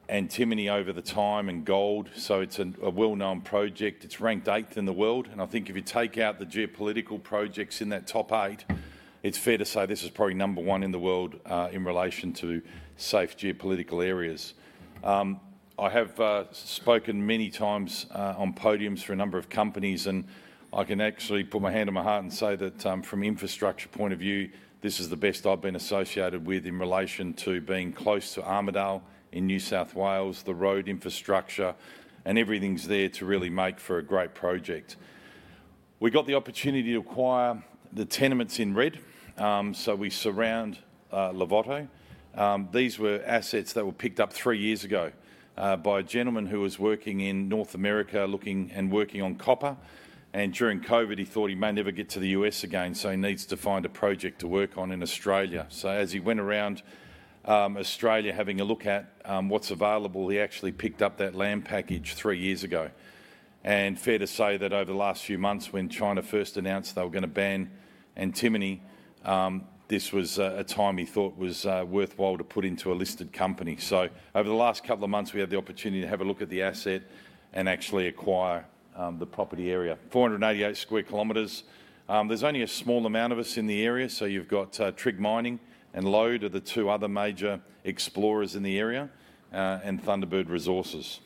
antimony over the time and gold, so it's a well-known project. It's ranked eighth in the world, and I think if you take out the geopolitical projects in that top eight, it's fair to say this is probably number one in the world in relation to safe geopolitical areas. I have spoken many times on podiums for a number of companies, and I can actually put my hand on my heart and say that from an infrastructure point of view, this is the best I've been associated with in relation to being close to Armidale in New South Wales. The road infrastructure and everything's there to really make for a great project. We got the opportunity to acquire the tenements in red, so we surround Larvotto. These were assets that were picked up three years ago by a gentleman who was working in North America looking and working on copper, and during COVID, he thought he may never get to the US again, so he needs to find a project to work on in Australia. So, as he went around Australia having a look at what's available, he actually picked up that land package three years ago. And fair to say that over the last few months, when China first announced they were going to ban antimony, this was a time he thought was worthwhile to put into a listed company. So, over the last couple of months, we had the opportunity to have a look at the asset and actually acquire the property area. 488 square kilometers. There's only a small amount of us in the area, so you've got Trigg Minerals and Lode, are the two other major explorers in the area, and Thunderbird Resources.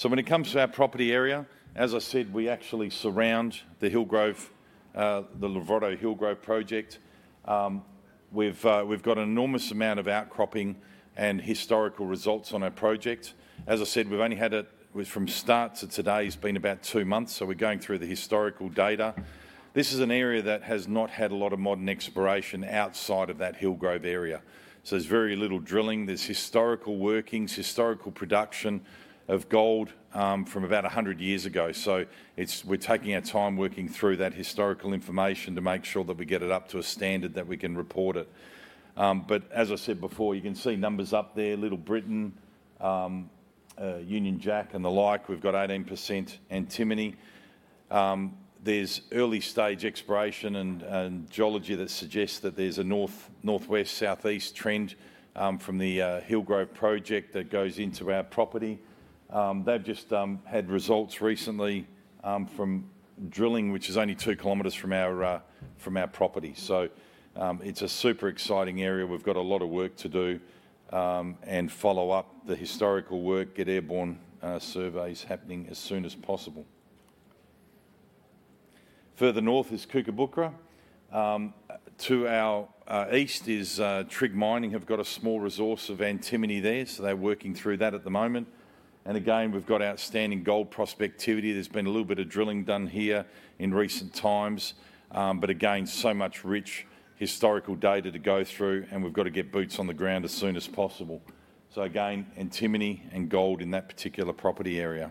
So, when it comes to our property area, as I said, we actually surround the Hillgrove, the Larvotto Hillgrove Project. We've got an enormous amount of outcropping and historical results on our project. As I said, we've only had it from start to today, it's been about two months, so we're going through the historical data. This is an area that has not had a lot of modern exploration outside of that Hillgrove area, so there's very little drilling. There's historical workings, historical production of gold from about 100 years ago, so we're taking our time working through that historical information to make sure that we get it up to a standard that we can report it, but as I said before, you can see numbers up there: Little Britain, Union Jack, and the like. We've got 18% antimony. There's early-stage exploration and geology that suggests that there's a northwest, southeast trend from the Hillgrove project that goes into our property. They've just had results recently from drilling, which is only two kilometers from our property, so it's a super exciting area. We've got a lot of work to do and follow up the historical work, get airborne surveys happening as soon as possible. Further north is Kookabookra. To our east is Trigg Minerals. They've got a small resource of antimony there, so they're working through that at the moment. And again, we've got outstanding gold prospectivity. There's been a little bit of drilling done here in recent times, but again, so much rich historical data to go through, and we've got to get boots on the ground as soon as possible. So, again, antimony and gold in that particular property area.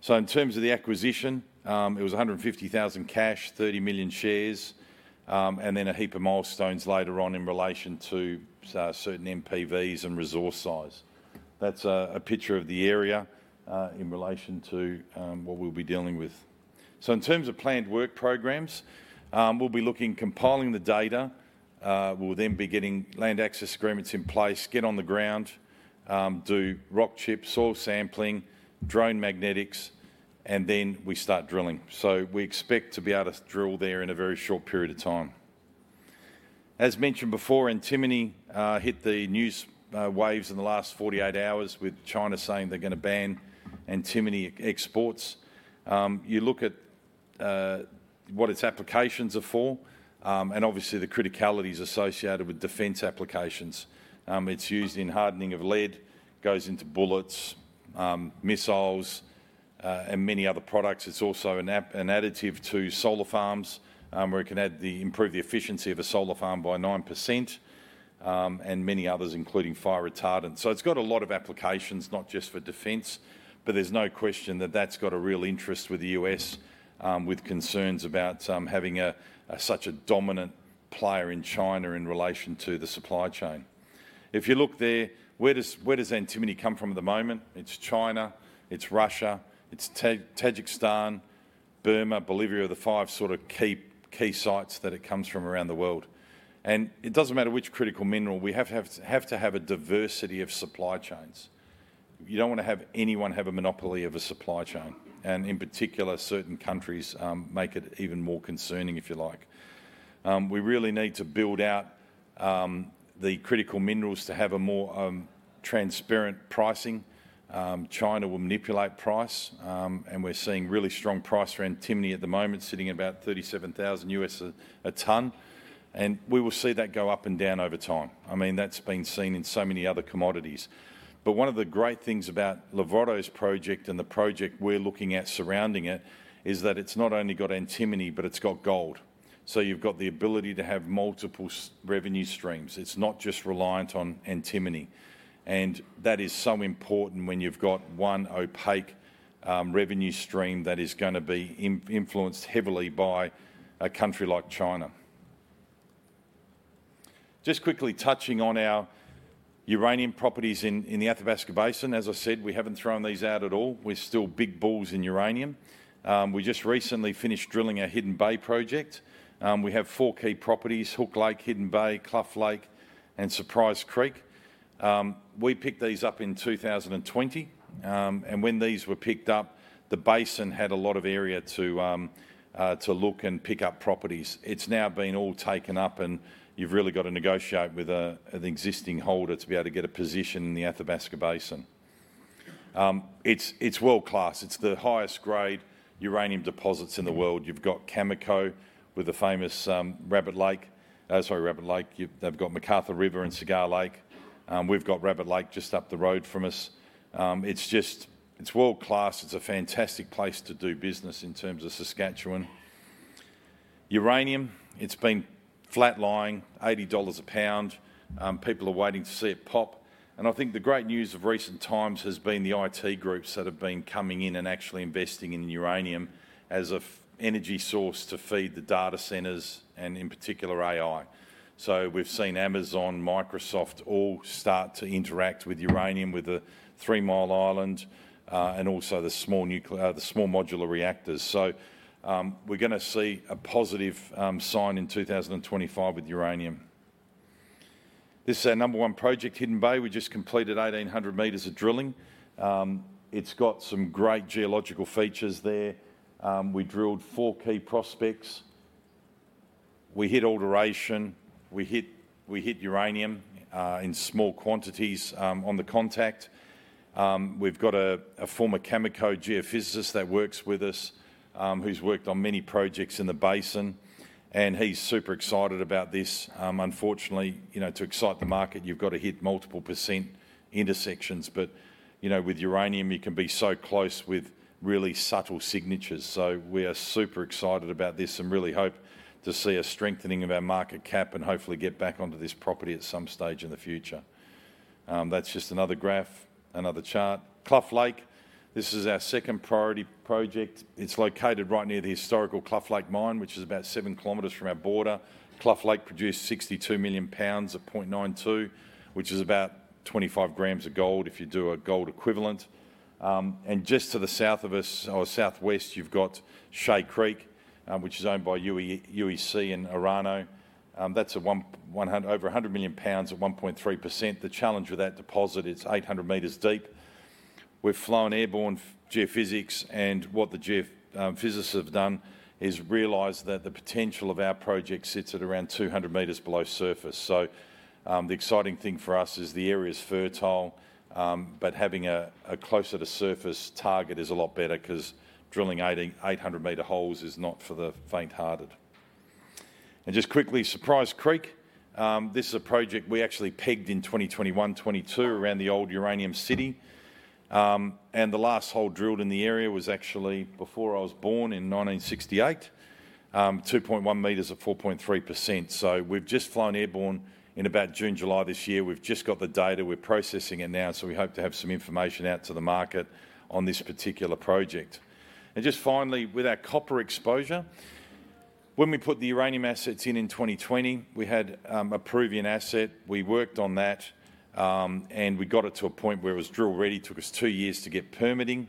So, in terms of the acquisition, it was 150,000 cash, 30 million shares, and then a heap of milestones later on in relation to certain NPVs and resource size. That's a picture of the area in relation to what we'll be dealing with. So, in terms of planned work programs, we'll be looking, compiling the data. We'll then be getting land access agreements in place, get on the ground, do rock chip, soil sampling, drone magnetics, and then we start drilling. We expect to be able to drill there in a very short period of time. As mentioned before, antimony hit the news waves in the last 48 hours with China saying they're going to ban antimony exports. You look at what its applications are for and obviously the criticalities associated with defense applications. It's used in hardening of lead, goes into bullets, missiles, and many other products. It's also an additive to solar farms where it can improve the efficiency of a solar farm by 9% and many others, including fire retardant. It's got a lot of applications, not just for defense, but there's no question that that's got a real interest with the U.S. with concerns about having such a dominant player in China in relation to the supply chain. If you look there, where does antimony come from at the moment? It's China, it's Russia, it's Tajikistan, Burma, Bolivia are the five sort of key sites that it comes from around the world. And it doesn't matter which critical mineral. We have to have a diversity of supply chains. You don't want to have anyone have a monopoly of a supply chain, and in particular, certain countries make it even more concerning, if you like. We really need to build out the critical minerals to have a more transparent pricing. China will manipulate price, and we're seeing really strong price for antimony at the moment, sitting at about $37,000 a tonne, and we will see that go up and down over time. I mean, that's been seen in so many other commodities. But one of the great things about Larvotto's project and the project we're looking at surrounding it is that it's not only got antimony, but it's got gold. You've got the ability to have multiple revenue streams. It's not just reliant on antimony, and that is so important when you've got one opaque revenue stream that is going to be influenced heavily by a country like China. Just quickly touching on our uranium properties in the Athabasca Basin, as I said, we haven't thrown these out at all. We're still big balls in uranium. We just recently finished drilling our Hidden Bay Project. We have four key properties: Hook Lake, Hidden Bay, Cluff Lake, and Surprise Creek. We picked these up in 2020, and when these were picked up, the basin had a lot of area to look and pick up properties. It's now been all taken up, and you've really got to negotiate with an existing holder to be able to get a position in the Athabasca Basin. It's world-class. It's the highest-grade uranium deposits in the world. You've got Cameco with the famous Rabbit Lake, sorry, Rabbit Lake. They've got McArthur River and Cigar Lake. We've got Rabbit Lake just up the road from us. It's world-class. It's a fantastic place to do business in terms of Saskatchewan. Uranium, it's been flat-lying, $80 a pound. People are waiting to see it pop, and I think the great news of recent times has been the IT groups that have been coming in and actually investing in uranium as an energy source to feed the data centers and, in particular, AI. So, we've seen Amazon, Microsoft all start to interact with uranium with the Three Mile Island and also the small modular reactors. So, we're going to see a positive sign in 2025 with uranium. This is our number one project, Hidden Bay. We just completed 1,800 meters of drilling. It's got some great geological features there. We drilled four key prospects. We hit alteration. We hit uranium in small quantities on the contact. We've got a former Cameco geophysicist that works with us who's worked on many projects in the basin, and he's super excited about this. Unfortunately, to excite the market, you've got to hit multiple% intersections, but with uranium, you can be so close with really subtle signatures. So, we are super excited about this and really hope to see a strengthening of our market cap and hopefully get back onto this property at some stage in the future. That's just another graph, another chart. Cluff Lake, this is our second priority project. It's located right near the historical Cluff Lake mine, which is about seven kilometers from our border. Cluff Lake produced 62 million pounds of 0.92, which is about 25 grams of gold if you do a gold equivalent, and just to the south of us or southwest, you've got Shea Creek, which is owned by UEC and Orano. That's over 100 million pounds at 1.3%. The challenge with that deposit, it's 800 meters deep. We've flown airborne geophysics, and what the geophysicists have done is realize that the potential of our project sits at around 200 meters below surface, so the exciting thing for us is the area's fertile, but having a closer-to-surface target is a lot better because drilling 800-meter holes is not for the faint-hearted, and just quickly, Surprise Creek, this is a project we actually pegged in 2021-2022 around the old Uranium City, and the last hole drilled in the area was actually before I was born in 1968, 2.1 meters at 4.3%. We've just flown airborne in about June, July this year. We've just got the data. We're processing it now, so we hope to have some information out to the market on this particular project. And just finally, with our copper exposure, when we put the uranium assets in in 2020, we had a Peruvian asset. We worked on that, and we got it to a point where it was drill-ready. It took us two years to get permitting.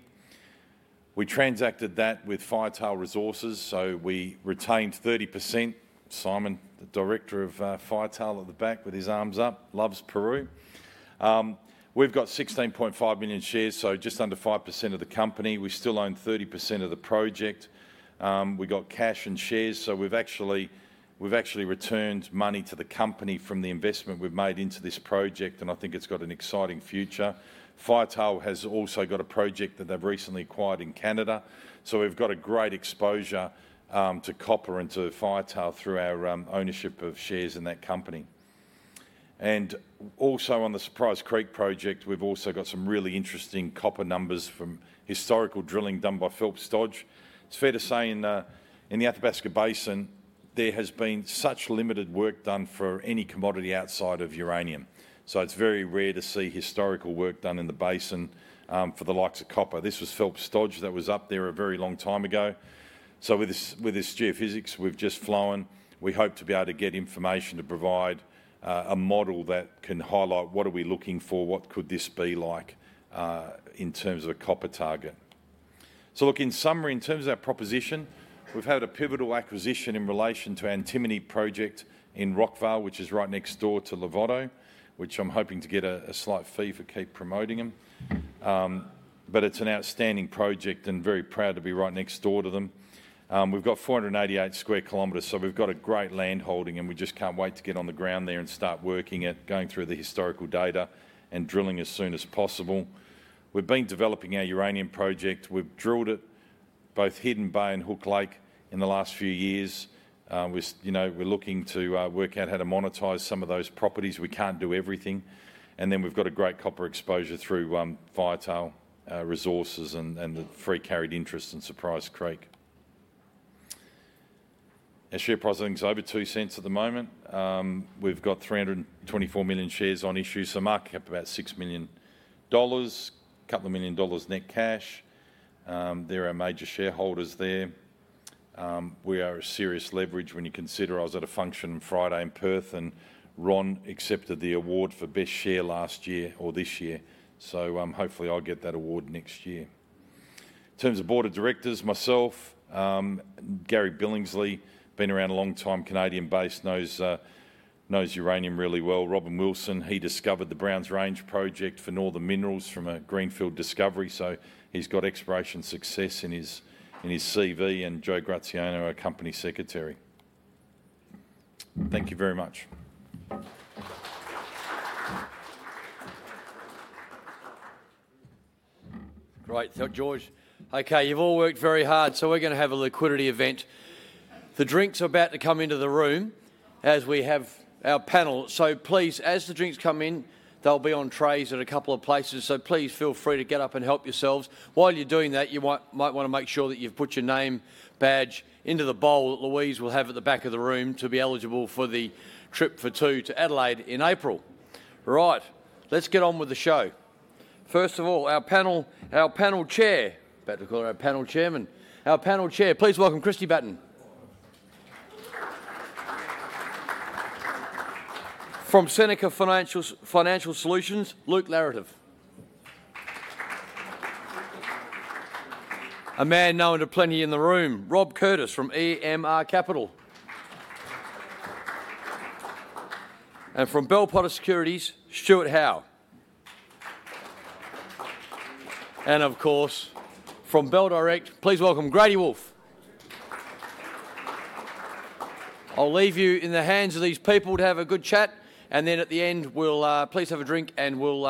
We transacted that with Firetail Resources, so we retained 30%. Simon, the director of Firetail at the back with his arms up, loves Peru. We've got 16.5 million shares, so just under 5% of the company. We still own 30% of the project. We got cash and shares, so we've actually returned money to the company from the investment we've made into this project, and I think it's got an exciting future. Firetail has also got a project that they've recently acquired in Canada, so we've got a great exposure to copper and to Firetail through our ownership of shares in that company. And also on the Surprise Creek project, we've also got some really interesting copper numbers from historical drilling done by Phelps Dodge. It's fair to say in the Athabasca Basin, there has been such limited work done for any commodity outside of uranium, so it's very rare to see historical work done in the basin for the likes of copper. This was Phelps Dodge that was up there a very long time ago. So, with this geophysics we've just flown, we hope to be able to get information to provide a model that can highlight what are we looking for, what could this be like in terms of a copper target. Look, in summary, in terms of our proposition, we've had a pivotal acquisition in relation to our antimony project in Rockvale, which is right next door to Larvotto, which I'm hoping to get a slight fee for keeping promoting them, but it's an outstanding project and I'm very proud to be right next door to them. We've got 488 square kilometers, so we've got a great land holding, and we just can't wait to get on the ground there and start working it, going through the historical data and drilling as soon as possible. We've been developing our uranium project. We've drilled it both Hidden Bay and Hook Lake in the last few years. We're looking to work out how to monetize some of those properties. We can't do everything. And then we've got a great copper exposure through Firetail Resources and the free carried interest in Surprise Creek. Our share price is over 0.02 at the moment. We've got 324 million shares on issue, so market cap about 6 million dollars, 2 million dollars net cash. There are major shareholders there. We are a serious leverage when you consider. I was at a function on Friday in Perth, and Ron accepted the award for best share last year or this year, so hopefully I'll get that award next year. In terms of board of directors, myself, Gary Billingsley, been around a long time, Canadian-based, knows uranium really well. Robin Wilson, he discovered the Browns Range project for Northern Minerals from a greenfield discovery, so he's got exploration success in his CV, and Joe Graziano, our company secretary. Thank you very much. Great. Thank you, George. Okay, you've all worked very hard, so we're going to have a liquidity event. The drinks are about to come into the room as we have our panel, so please, as the drinks come in, they'll be on trays at a couple of places, so please feel free to get up and help yourselves. While you're doing that, you might want to make sure that you've put your name badge into the bowl that Louise will have at the back of the room to be eligible for the trip for two to Adelaide in April. All right, let's get on with the show. First of all, our panel chair, please welcome Kristie Batten. From Seneca Financial Solutions, Luke Laretive. A man known to plenty in the room, Rob Curtis from EMR Capital. And from Bell Potter Securities, Stuart Howe. And of course, from Bell Direct, please welcome Grady Wulff. I'll leave you in the hands of these people to have a good chat, and then at the end, we'll please have a drink and we'll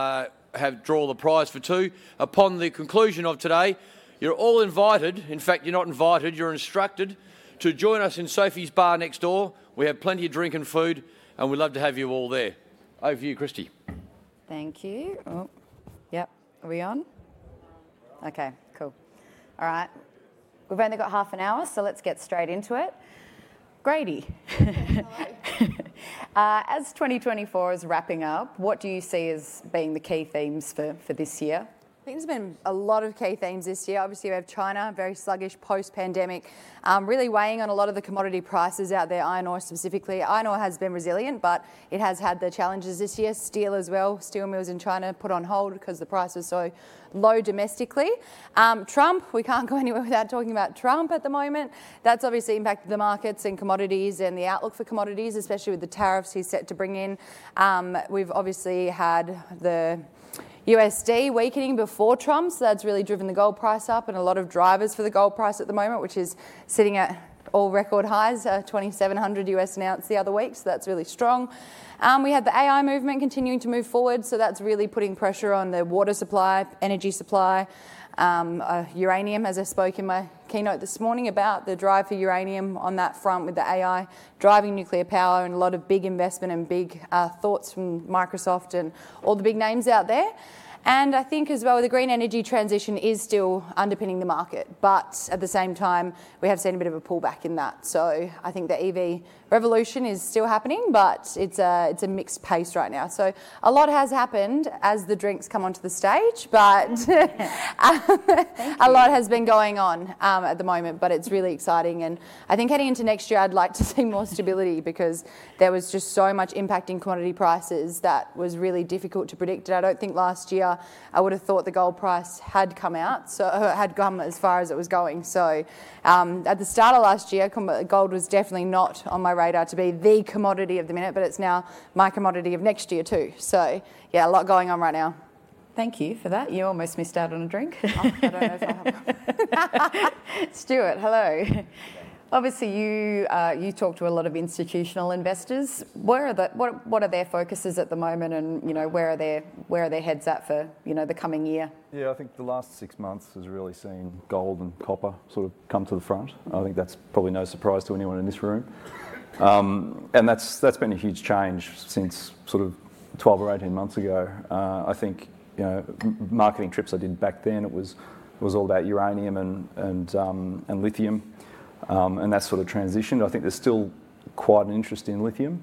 draw the prize for two. Upon the conclusion of today, you're all invited, in fact, you're not invited, you're instructed, to join us in Sofi's Bar next door. We have plenty of drink and food, and we'd love to have you all there. Over to you, Kristie. Thank you. Yep, are we on? Okay, cool. All right, we've only got half an hour, so let's get straight into it. Grady. As 2024 is wrapping up, what do you see as being the key themes for this year? Themes have been a lot of key themes this year. Obviously, we have China, very sluggish post-pandemic, really weighing on a lot of the commodity prices out there, iron ore specifically. Iron ore has been resilient, but it has had the challenges this year. Steel as well, steel mills in China put on hold because the price was so low domestically. Trump, we can't go anywhere without talking about Trump at the moment. That's obviously impacted the markets and commodities and the outlook for commodities, especially with the tariffs he's set to bring in. We've obviously had the USD weakening before Trump, so that's really driven the gold price up and a lot of drivers for the gold price at the moment, which is sitting at all-record highs, $2,700 an ounce the other week, so that's really strong. We have the AI movement continuing to move forward, so that's really putting pressure on the water supply, energy supply, uranium, as I spoke in my keynote this morning about the drive for uranium on that front with the AI driving nuclear power and a lot of big investment and big thoughts from Microsoft and all the big names out there, and I think as well with the green energy transition is still underpinning the market, but at the same time, we have seen a bit of a pullback in that, so I think the EV revolution is still happening, but it's a mixed pace right now, so a lot has happened as the drinks come onto the stage, but a lot has been going on at the moment, but it's really exciting. And I think heading into next year, I'd like to see more stability because there was just so much impact in commodity prices that was really difficult to predict. And I don't think last year I would have thought the gold price had come out, so had come as far as it was going. So at the start of last year, gold was definitely not on my radar to be the commodity of the minute, but it's now my commodity of next year too. So yeah, a lot going on right now. Thank you for that. You almost missed out on a drink. I don't know if I have one. Stuart, hello. Obviously, you talk to a lot of institutional investors. What are their focuses at the moment and where are their heads at for the coming year? Yeah, I think the last six months has really seen gold and copper sort of come to the front. I think that's probably no surprise to anyone in this room. And that's been a huge change since sort of 12 or 18 months ago. I think marketing trips I did back then, it was all about uranium and lithium, and that sort of transitioned. I think there's still quite an interest in lithium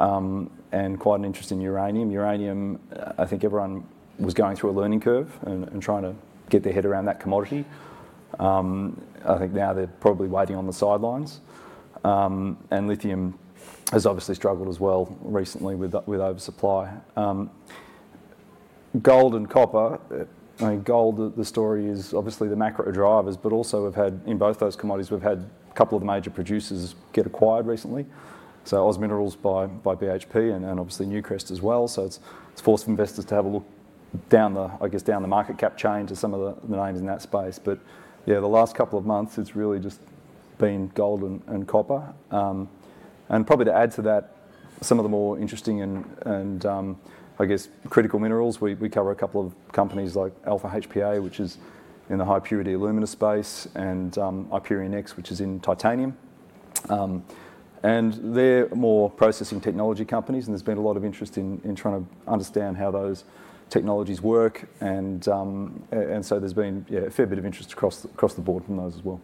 and quite an interest in uranium. Uranium, I think everyone was going through a learning curve and trying to get their head around that commodity. I think now they're probably waiting on the sidelines. And lithium has obviously struggled as well recently with oversupply. Gold and copper, I mean, gold, the story is obviously the macro drivers, but also we've had in both those commodities, we've had a couple of the major producers get acquired recently. So OZ Minerals by BHP and obviously Newcrest as well. So it's forced investors to have a look down the, I guess, market cap chain to some of the names in that space. But yeah, the last couple of months, it's really just been gold and copper. And probably to add to that, some of the more interesting and, I guess, critical minerals, we cover a couple of companies like Alpha HPA, which is in the high purity alumina space, and IperionX, which is in titanium. And they're more processing technology companies, and there's been a lot of interest in trying to understand how those technologies work. And so there's been a fair bit of interest across the board from those as well.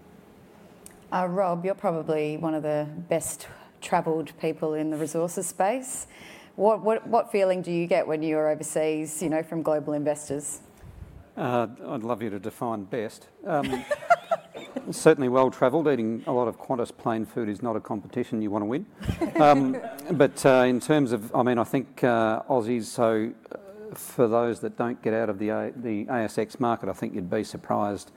Rob, you're probably one of the best traveled people in the resources space. What feeling do you get when you're overseas from global investors? I'd love you to define best. Certainly well traveled, eating a lot of canteen plain food is not a competition you want to win. But in terms of, I mean, I think Aussies, so for those that don't get out of the ASX market, I think you'd be surprised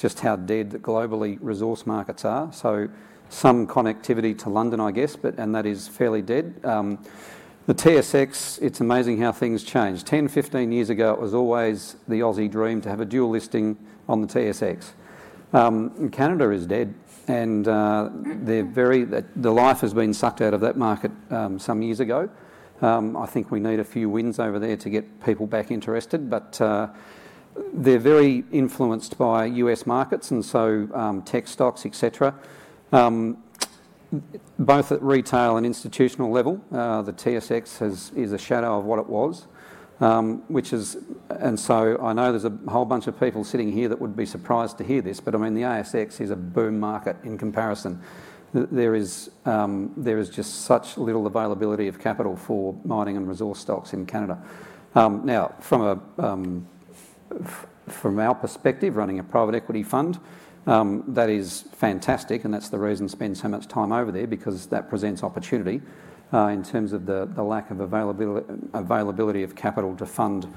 just how dead globally resource markets are. So some connectivity to London, I guess, but and that is fairly dead. The TSX, it's amazing how things change. 10, 15 years ago, it was always the Aussie dream to have a dual listing on the TSX. Canada is dead, and the life has been sucked out of that market some years ago. I think we need a few wins over there to get people back interested, but they're very influenced by U.S. markets and so tech stocks, etc. Both at retail and institutional level, the TSX is a shadow of what it was, and so I know there's a whole bunch of people sitting here that would be surprised to hear this, but I mean, the ASX is a boom market in comparison. There is just such little availability of capital for mining and resource stocks in Canada. Now, from our perspective, running a private equity fund, that is fantastic, and that's the reason to spend so much time over there because that presents opportunity in terms of the lack of availability of capital to fund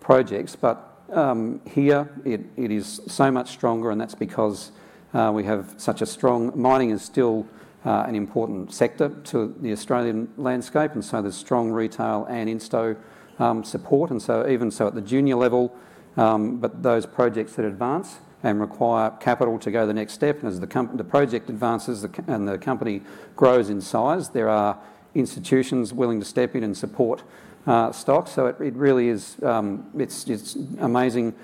projects, but here, it is so much stronger, and that's because we have such a strong mining is still an important sector to the Australian landscape, and so there's strong retail and insto support. And so even so at the junior level, but those projects that advance and require capital to go the next step, and as the project advances and the company grows in size, there are institutions willing to step in and support stocks. So it really is, it's amazing.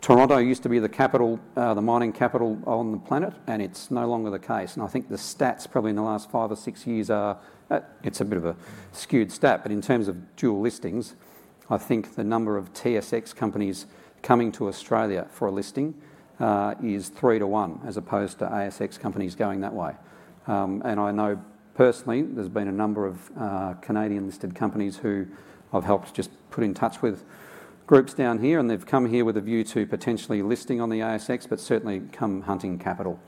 Toronto used to be the capital, the mining capital on the planet, and it's no longer the case. And I think the stats probably in the last five or six years are. It's a bit of a skewed stat, but in terms of dual listings, I think the number of TSX companies coming to Australia for a listing is three to one as opposed to ASX companies going that way. And I know personally there's been a number of Canadian listed companies who I've helped just put in touch with groups down here, and they've come here with a view to potentially listing on the ASX, but certainly come hunting capital.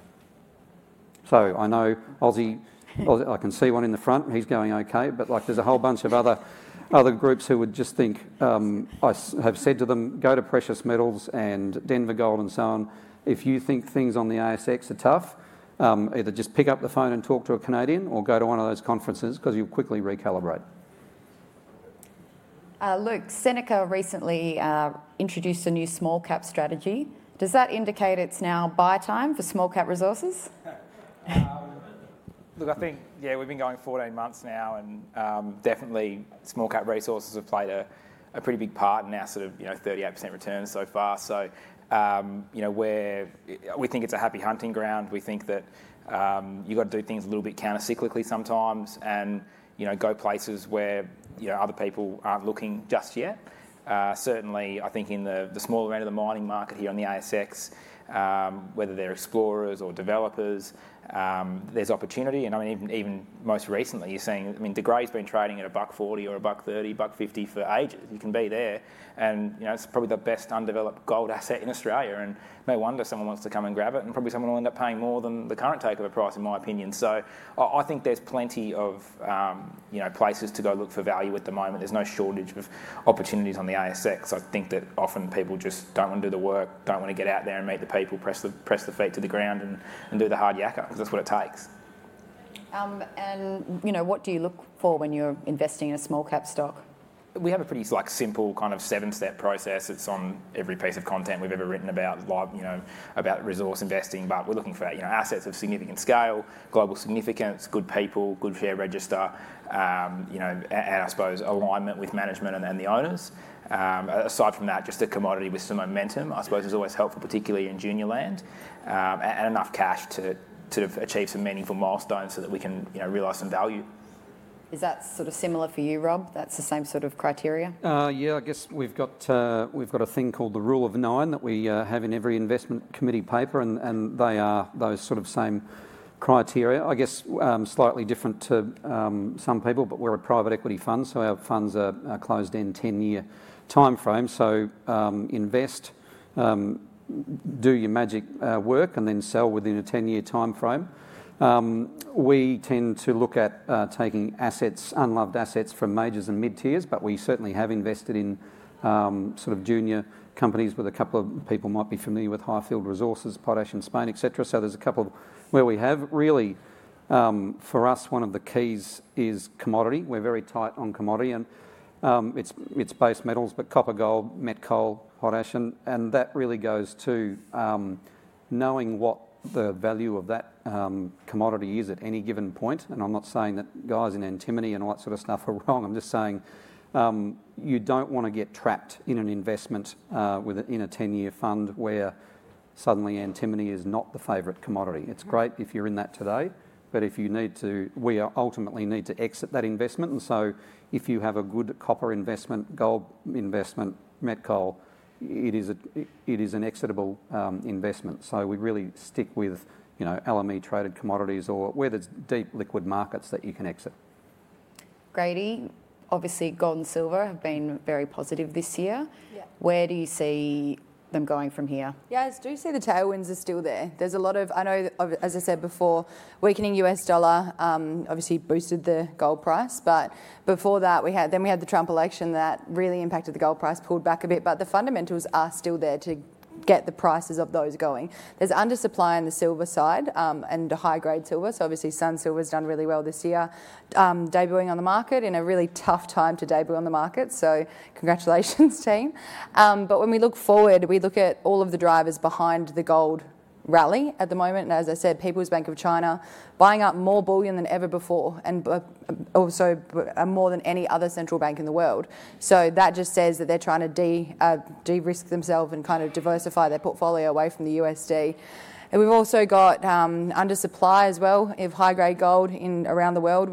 So I know Aussie, I can see one in the front, he's going okay, but there's a whole bunch of other groups who would just think. I have said to them, go to Precious Metals and Denver Gold and so on. If you think things on the ASX are tough, either just pick up the phone and talk to a Canadian or go to one of those conferences because you'll quickly recalibrate. Luke, Seneca recently introduced a new small cap strategy. Does that indicate it's now buy time for small cap resources? Look, I think, yeah, we've been going 14 months now, and definitely small cap resources have played a pretty big part in our sort of 38% return so far. So we think it's a happy hunting ground. We think that you've got to do things a little bit countercyclically sometimes and go places where other people aren't looking just yet. Certainly, I think in the smaller end of the mining market here on the ASX, whether they're explorers or developers, there's opportunity. And I mean, even most recently, you're seeing, I mean, De Grey has been trading at 1.40 or 1.30, 1.50 for ages. You can be there, and it's probably the best undeveloped gold asset in Australia, and no wonder someone wants to come and grab it, and probably someone will end up paying more than the current takeover price, in my opinion. So I think there's plenty of places to go look for value at the moment. There's no shortage of opportunities on the ASX. I think that often people just don't want to do the work, don't want to get out there and meet the people, press the feet to the ground and do the hard yakker, because that's what it takes. What do you look for when you're investing in a small cap stock? We have a pretty simple kind of seven-step process. It's on every piece of content we've ever written about resource investing, but we're looking for assets of significant scale, global significance, good people, good share register, and I suppose alignment with management and the owners. Aside from that, just a commodity with some momentum, I suppose, is always helpful, particularly in junior land, and enough cash to achieve some meaningful milestones so that we can realize some value. Is that sort of similar for you, Rob? That's the same sort of criteria? Yeah, I guess we've got a thing called the rule of nine that we have in every investment committee paper, and they are those sort of same criteria. I guess slightly different to some people, but we're a private equity fund, so our funds are closed in 10-year timeframe. So invest, do your magic work, and then sell within a 10-year timeframe. We tend to look at taking assets, unloved assets from majors and mid-tiers, but we certainly have invested in sort of junior companies. A couple of people might be familiar with Highfield Resources, potash in Spain, etc. So there's a couple where we have. Really, for us, one of the keys is commodity. We're very tight on commodity, and it's base metals, but copper, gold, metal, potash, and that really goes to knowing what the value of that commodity is at any given point. And I'm not saying that guys in antimony and all that sort of stuff are wrong. I'm just saying you don't want to get trapped in an investment in a 10-year fund where suddenly antimony is not the favorite commodity. It's great if you're in that today, but if you need to, we ultimately need to exit that investment. And so if you have a good copper investment, gold investment, metal, it is an exitable investment. So we really stick with LME traded commodities or whether it's deep liquid markets that you can exit. Grady, obviously gold and silver have been very positive this year. Where do you see them going from here? Yeah, I do see the tailwinds are still there. There's a lot of, I know, as I said before, weakening U.S. dollar obviously boosted the gold price, but before that, then we had the Trump election that really impacted the gold price, pulled back a bit, but the fundamentals are still there to get the prices of those going. There's undersupply on the silver side and high-grade silver, so obviously Sun Silver has done really well this year, debuting on the market in a really tough time to debut on the market, so congratulations, team. But when we look forward, we look at all of the drivers behind the gold rally at the moment, and as I said, People's Bank of China buying up more bullion than ever before and also more than any other central bank in the world. That just says that they're trying to de-risk themselves and kind of diversify their portfolio away from the USD. And we've also got undersupply as well of high-grade gold around the world.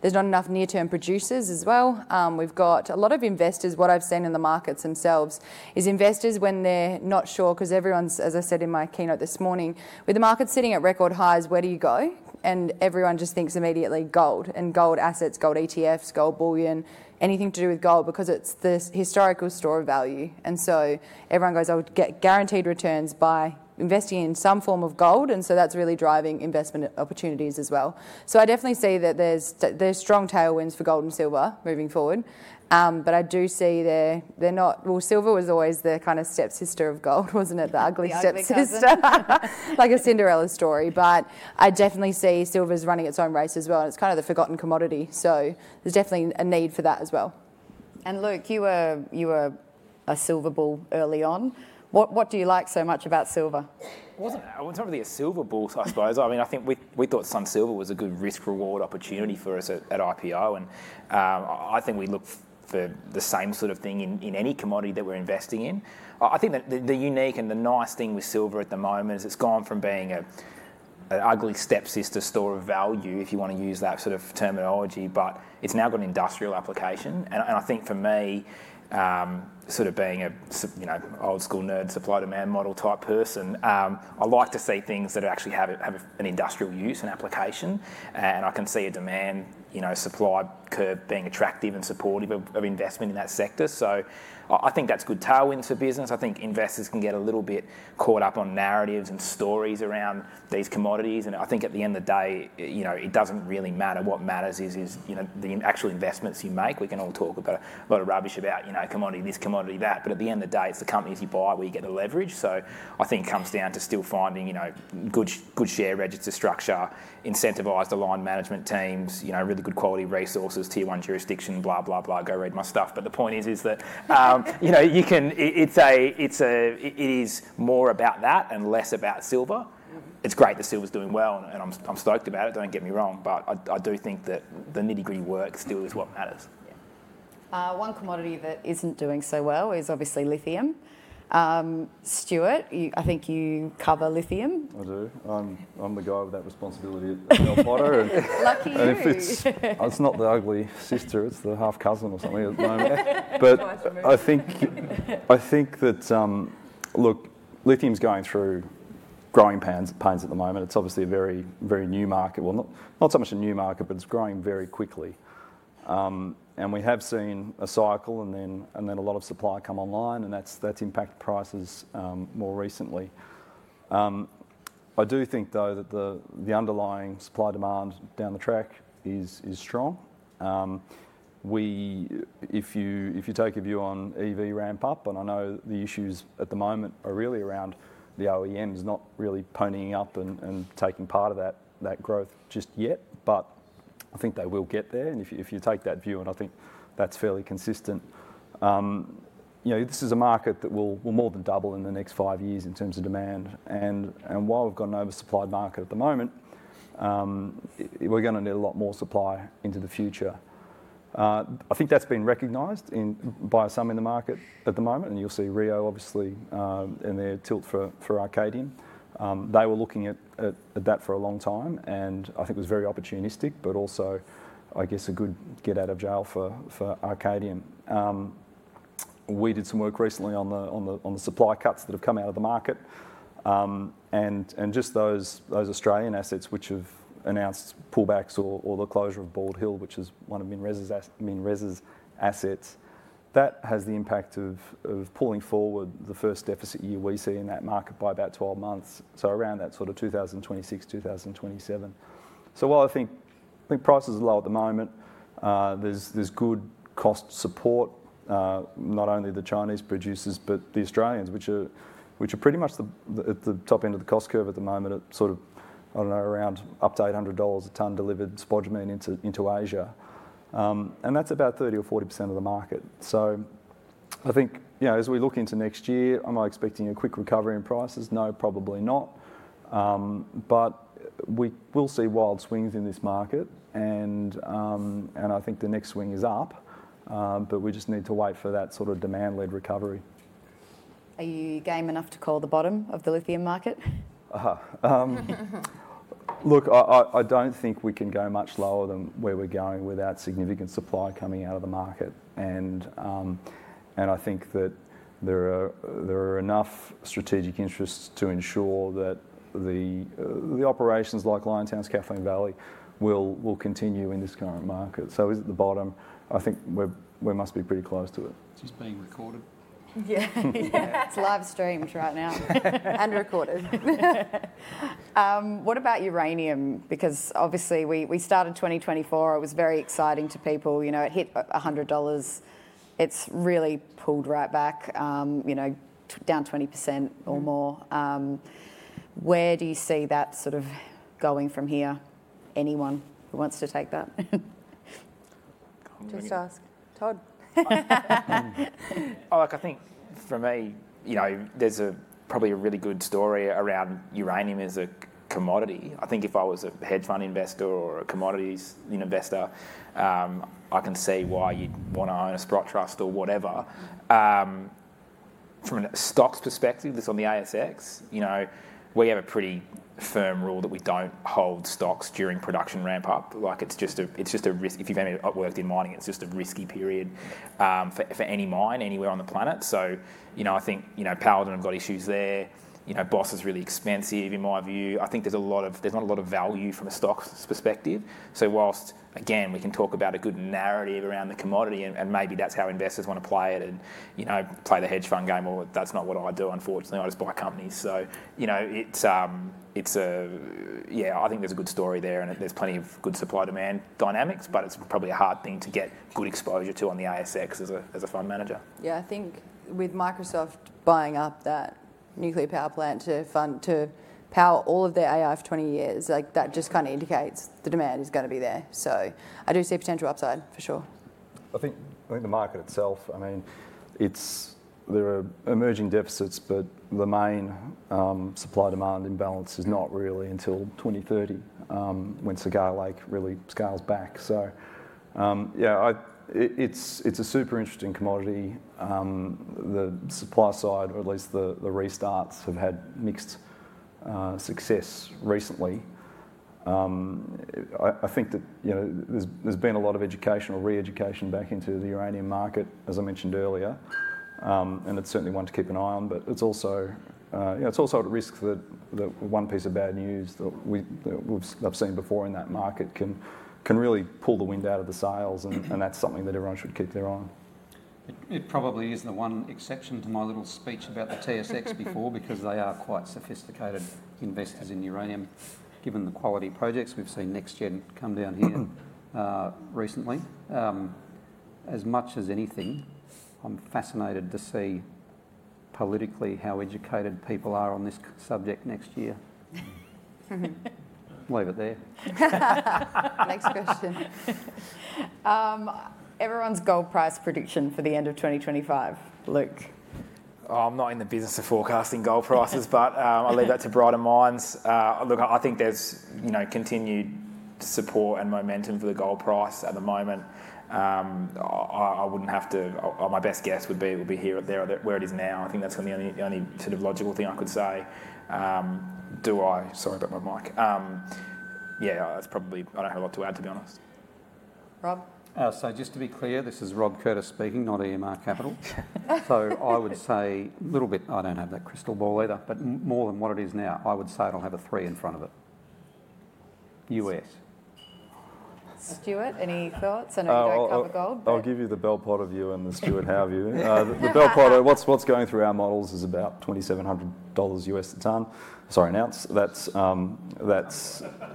There's not enough near-term producers as well. We've got a lot of investors. What I've seen in the markets themselves is investors when they're not sure, because everyone's, as I said in my keynote this morning, with the markets sitting at record highs, where do you go? And everyone just thinks immediately gold and gold assets, gold ETFs, gold bullion, anything to do with gold, because it's the historical store of value. And so everyone goes, "I'll get guaranteed returns by investing in some form of gold," and so that's really driving investment opportunities as well. So I definitely see that there's strong tailwinds for gold and silver moving forward, but I do see they're not. Well, silver was always the kind of stepsister of gold, wasn't it? The ugly stepsister, like a Cinderella story, but I definitely see silver is running its own race as well, and it's kind of the forgotten commodity, so there's definitely a need for that as well. And Luke, you were a silver bull early on. What do you like so much about silver? I wasn't really a silver bull, I suppose. I mean, I think we thought sun silver was a good risk-reward opportunity for us at IPO, and I think we look for the same sort of thing in any commodity that we're investing in. I think the unique and the nice thing with silver at the moment is it's gone from being an ugly stepsister store of value, if you want to use that sort of terminology, but it's now got an industrial application. I think for me, sort of being an old-school nerd supply-demand model type person, I like to see things that actually have an industrial use and application, and I can see a demand-supply curve being attractive and supportive of investment in that sector. I think that's good tailwinds for business. I think investors can get a little bit caught up on narratives and stories around these commodities, and I think at the end of the day, it doesn't really matter. What matters is the actual investments you make. We can all talk a lot of rubbish about commodity, this commodity, that, but at the end of the day, it's the companies you buy where you get the leverage. So I think it comes down to still finding good share register structure, incentivized aligned management teams, really good quality resources, tier one jurisdiction, blah, blah, blah, go read my stuff. But the point is that it is more about that and less about silver. It's great that silver is doing well, and I'm stoked about it, don't get me wrong, but I do think that the nitty-gritty work still is what matters. One commodity that isn't doing so well is obviously lithium. Stuart, I think you cover lithium. I do. I'm the guy with that responsibility at Bell Potter. Lucky you. And it's not the ugly sister, it's the half-cousin or something at the moment. But I think that, look, lithium is going through growing pains at the moment. It's obviously a very new market. Well, not so much a new market, but it's growing very quickly. And we have seen a cycle and then a lot of supply come online, and that's impacted prices more recently. I do think, though, that the underlying supply demand down the track is strong. If you take a view on EV ramp-up, and I know the issues at the moment are really around the OEMs not really ponying up and taking part of that growth just yet, but I think they will get there. And if you take that view, and I think that's fairly consistent, this is a market that will more than double in the next five years in terms of demand. And while we've got an oversupplied market at the moment, we're going to need a lot more supply into the future. I think that's been recognized by some in the market at the moment, and you'll see Rio, obviously, and their bid for Arcadium. They were looking at that for a long time, and I think it was very opportunistic, but also, I guess, a good get out of jail for Arcadium. We did some work recently on the supply cuts that have come out of the market, and just those Australian assets which have announced pullbacks or the closure of Bald Hill, which is one of MinRes's assets, that has the impact of pulling forward the first deficit year we see in that market by about 12 months, so around that sort of 2026, 2027. While I think prices are low at the moment, there's good cost support, not only the Chinese producers, but the Australians, which are pretty much at the top end of the cost curve at the moment at sort of, I don't know, around up to $800 a tonne delivered spodumene into Asia, and that's about 30 or 40% of the market. I think as we look into next year, am I expecting a quick recovery in prices? No, probably not, but we will see wild swings in this market, and I think the next swing is up, but we just need to wait for that sort of demand-led recovery. Are you game enough to call the bottom of the lithium market? Look, I don't think we can go much lower than where we're going without significant supply coming out of the market, and I think that there are enough strategic interests to ensure that the operations like Liontown's Kathleen Valley will continue in this current market. So is it the bottom? I think we must be pretty close to it. Just being recorded. Yeah, it's live streamed right now and recorded. What about uranium? Because obviously we started 2024, it was very exciting to people. It hit $100. It's really pulled right back, down 20% or more. Where do you see that sort of going from here? Anyone who wants to take that? Just ask. Todd? I think for me, there's probably a really good story around uranium as a commodity. I think if I was a hedge fund investor or a commodities investor, I can see why you'd want to own a Sprott Trust or whatever. From a stocks perspective, that's on the ASX. We have a pretty firm rule that we don't hold stocks during production ramp-up. It's just a risk. If you've ever worked in mining, it's just a risky period for any mine anywhere on the planet. So I think Paladin, and I've got issues there. Boss is really expensive in my view. I think there's not a lot of value from a stocks perspective. So while, again, we can talk about a good narrative around the commodity, and maybe that's how investors want to play it and play the hedge fund game, well, that's not what I do, unfortunately. I just buy companies. So yeah, I think there's a good story there, and there's plenty of good supply-demand dynamics, but it's probably a hard thing to get good exposure to on the ASX as a fund manager. Yeah, I think with Microsoft buying up that nuclear power plant to power all of their AI for 20 years, that just kind of indicates the demand is going to be there. So I do see potential upside, for sure. I think the market itself, I mean, there are emerging deficits, but the main supply-demand imbalance is not really until 2030 when Cigar Lake really scales back. So yeah, it's a super interesting commodity. The supply side, or at least the restarts, have had mixed success recently. I think that there's been a lot of educational re-education back into the uranium market, as I mentioned earlier, and it's certainly one to keep an eye on, but it's also at risk that one piece of bad news that I've seen before in that market can really take the wind out of the sails, and that's something that everyone should keep an eye on. It probably isn't the one exception to my little speech about the TSX before, because they are quite sophisticated investors in uranium, given the quality projects we've seen NexGen come down here recently. As much as anything, I'm fascinated to see politically how educated people are on this subject next year. Leave it there. Next question. Everyone's gold price prediction for the end of 2025. Luke. I'm not in the business of forecasting gold prices, but I'll leave that to brighter minds. Look, I think there's continued support and momentum for the gold price at the moment. I wouldn't have to, my best guess would be it would be here or there where it is now. I think that's the only sort of logical thing I could say. Do I? Sorry about my mic. Yeah, I don't have a lot to add, to be honest. Rob? So just to be clear, this is Rob Curtis speaking, not EMR Capital. So I would say a little bit, I don't have that crystal ball either, but more than what it is now, I would say it'll have a three in front of it. U.S. Stuart, any thoughts on a break over gold? I'll give you the ballpark value and the street value. The ballpark, what's going through our models is about $2,700 U.S. a tonne. Sorry, an ounce. That's not a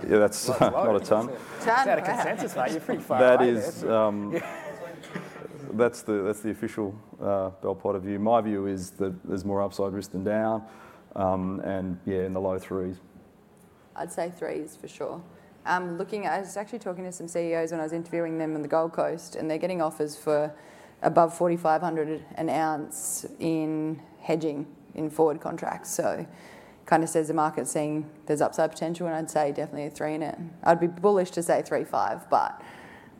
tonne. Tonne. It's out of consensus, mate. You're pretty far away. That's the official bellwether of you. My view is that there's more upside risk than down, and yeah, in the low threes. I'd say threes for sure. Looking at, I was actually talking to some CEOs when I was interviewing them on the Gold Coast, and they're getting offers for above $4,500 an ounce in hedging in forward contracts. So it kind of says the market's seeing there's upside potential, and I'd say definitely a three in it. I'd be bullish to say $3.5, but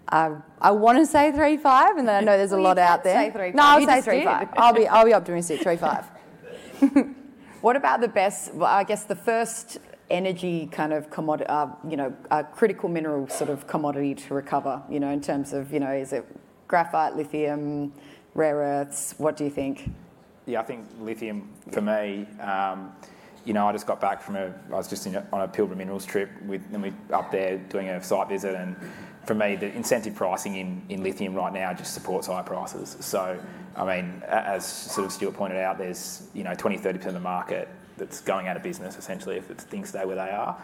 I want to say $3.5, and then I know there's a lot out there. No, I'll say $3.5. I'll be optimistic. $3.5. What about the best, I guess the first energy kind of critical mineral sort of commodity to recover in terms of, is it graphite, lithium, rare earths? What do you think? Yeah, I think lithium for me. I just got back. I was just on a Pilbara Minerals trip, and we were up there doing a site visit, and for me, the incentive pricing in lithium right now just supports high prices. So I mean, as sort of Stuart pointed out, there's 20%-30% of the market that's going out of business essentially if things stay where they are.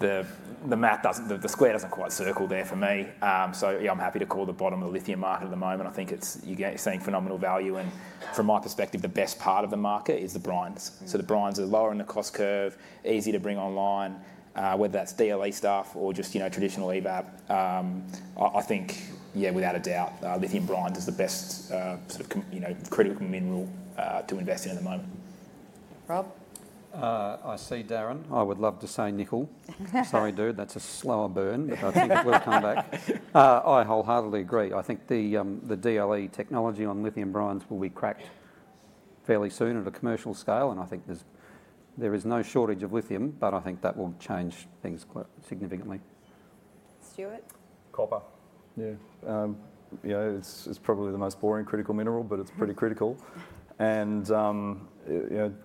So the square doesn't quite circle there for me. So yeah, I'm happy to call the bottom of the lithium market at the moment. I think you're seeing phenomenal value, and from my perspective, the best part of the market is the brines. So the brines are lower in the cost curve, easy to bring online, whether that's DLE stuff or just traditional evap. I think, yeah, without a doubt, lithium brines is the best sort of critical mineral to invest in at the moment. Rob? I see Darren. I would love to say nickel. Sorry, dude, that's a slower burn, but I think we'll come back. I wholeheartedly agree. I think the DLE technology on lithium brines will be cracked fairly soon at a commercial scale, and I think there is no shortage of lithium, but I think that will change things quite significantly. Stuart? Copper. Yeah. It's probably the most boring critical mineral, but it's pretty critical, and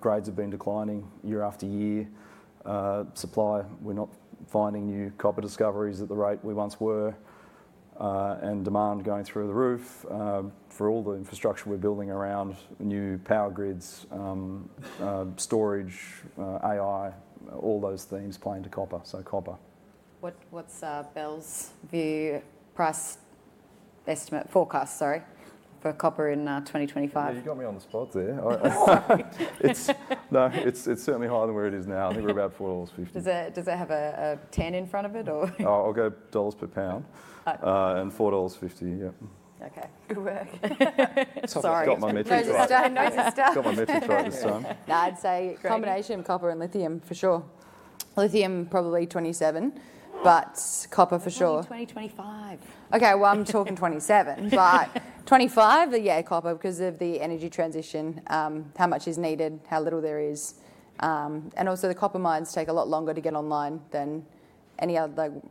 grades have been declining year after year. Supply, we're not finding new copper discoveries at the rate we once were, and demand going through the roof for all the infrastructure we're building around new power grids, storage, AI, all those themes playing to copper. So copper. What's Bell's view, price estimate, forecast, sorry, for copper in 2025? You got me on the spot there. Sorry. No, it's certainly higher than where it is now. I think we're about 4.50 dollars. Does it have a 10 in front of it or? Oh, I'll go dollars per pound and $4.50, yeah. Okay. Good work. Sorry. I've got my metric chart. I know your stuff. I've got my metric chart this time. No, I'd say a combination of copper and lithium for sure. Lithium probably 27, but copper for sure. 2025. Okay, well, I'm talking 27, but 25, yeah, copper because of the energy transition, how much is needed, how little there is, and also the copper mines take a lot longer to get online than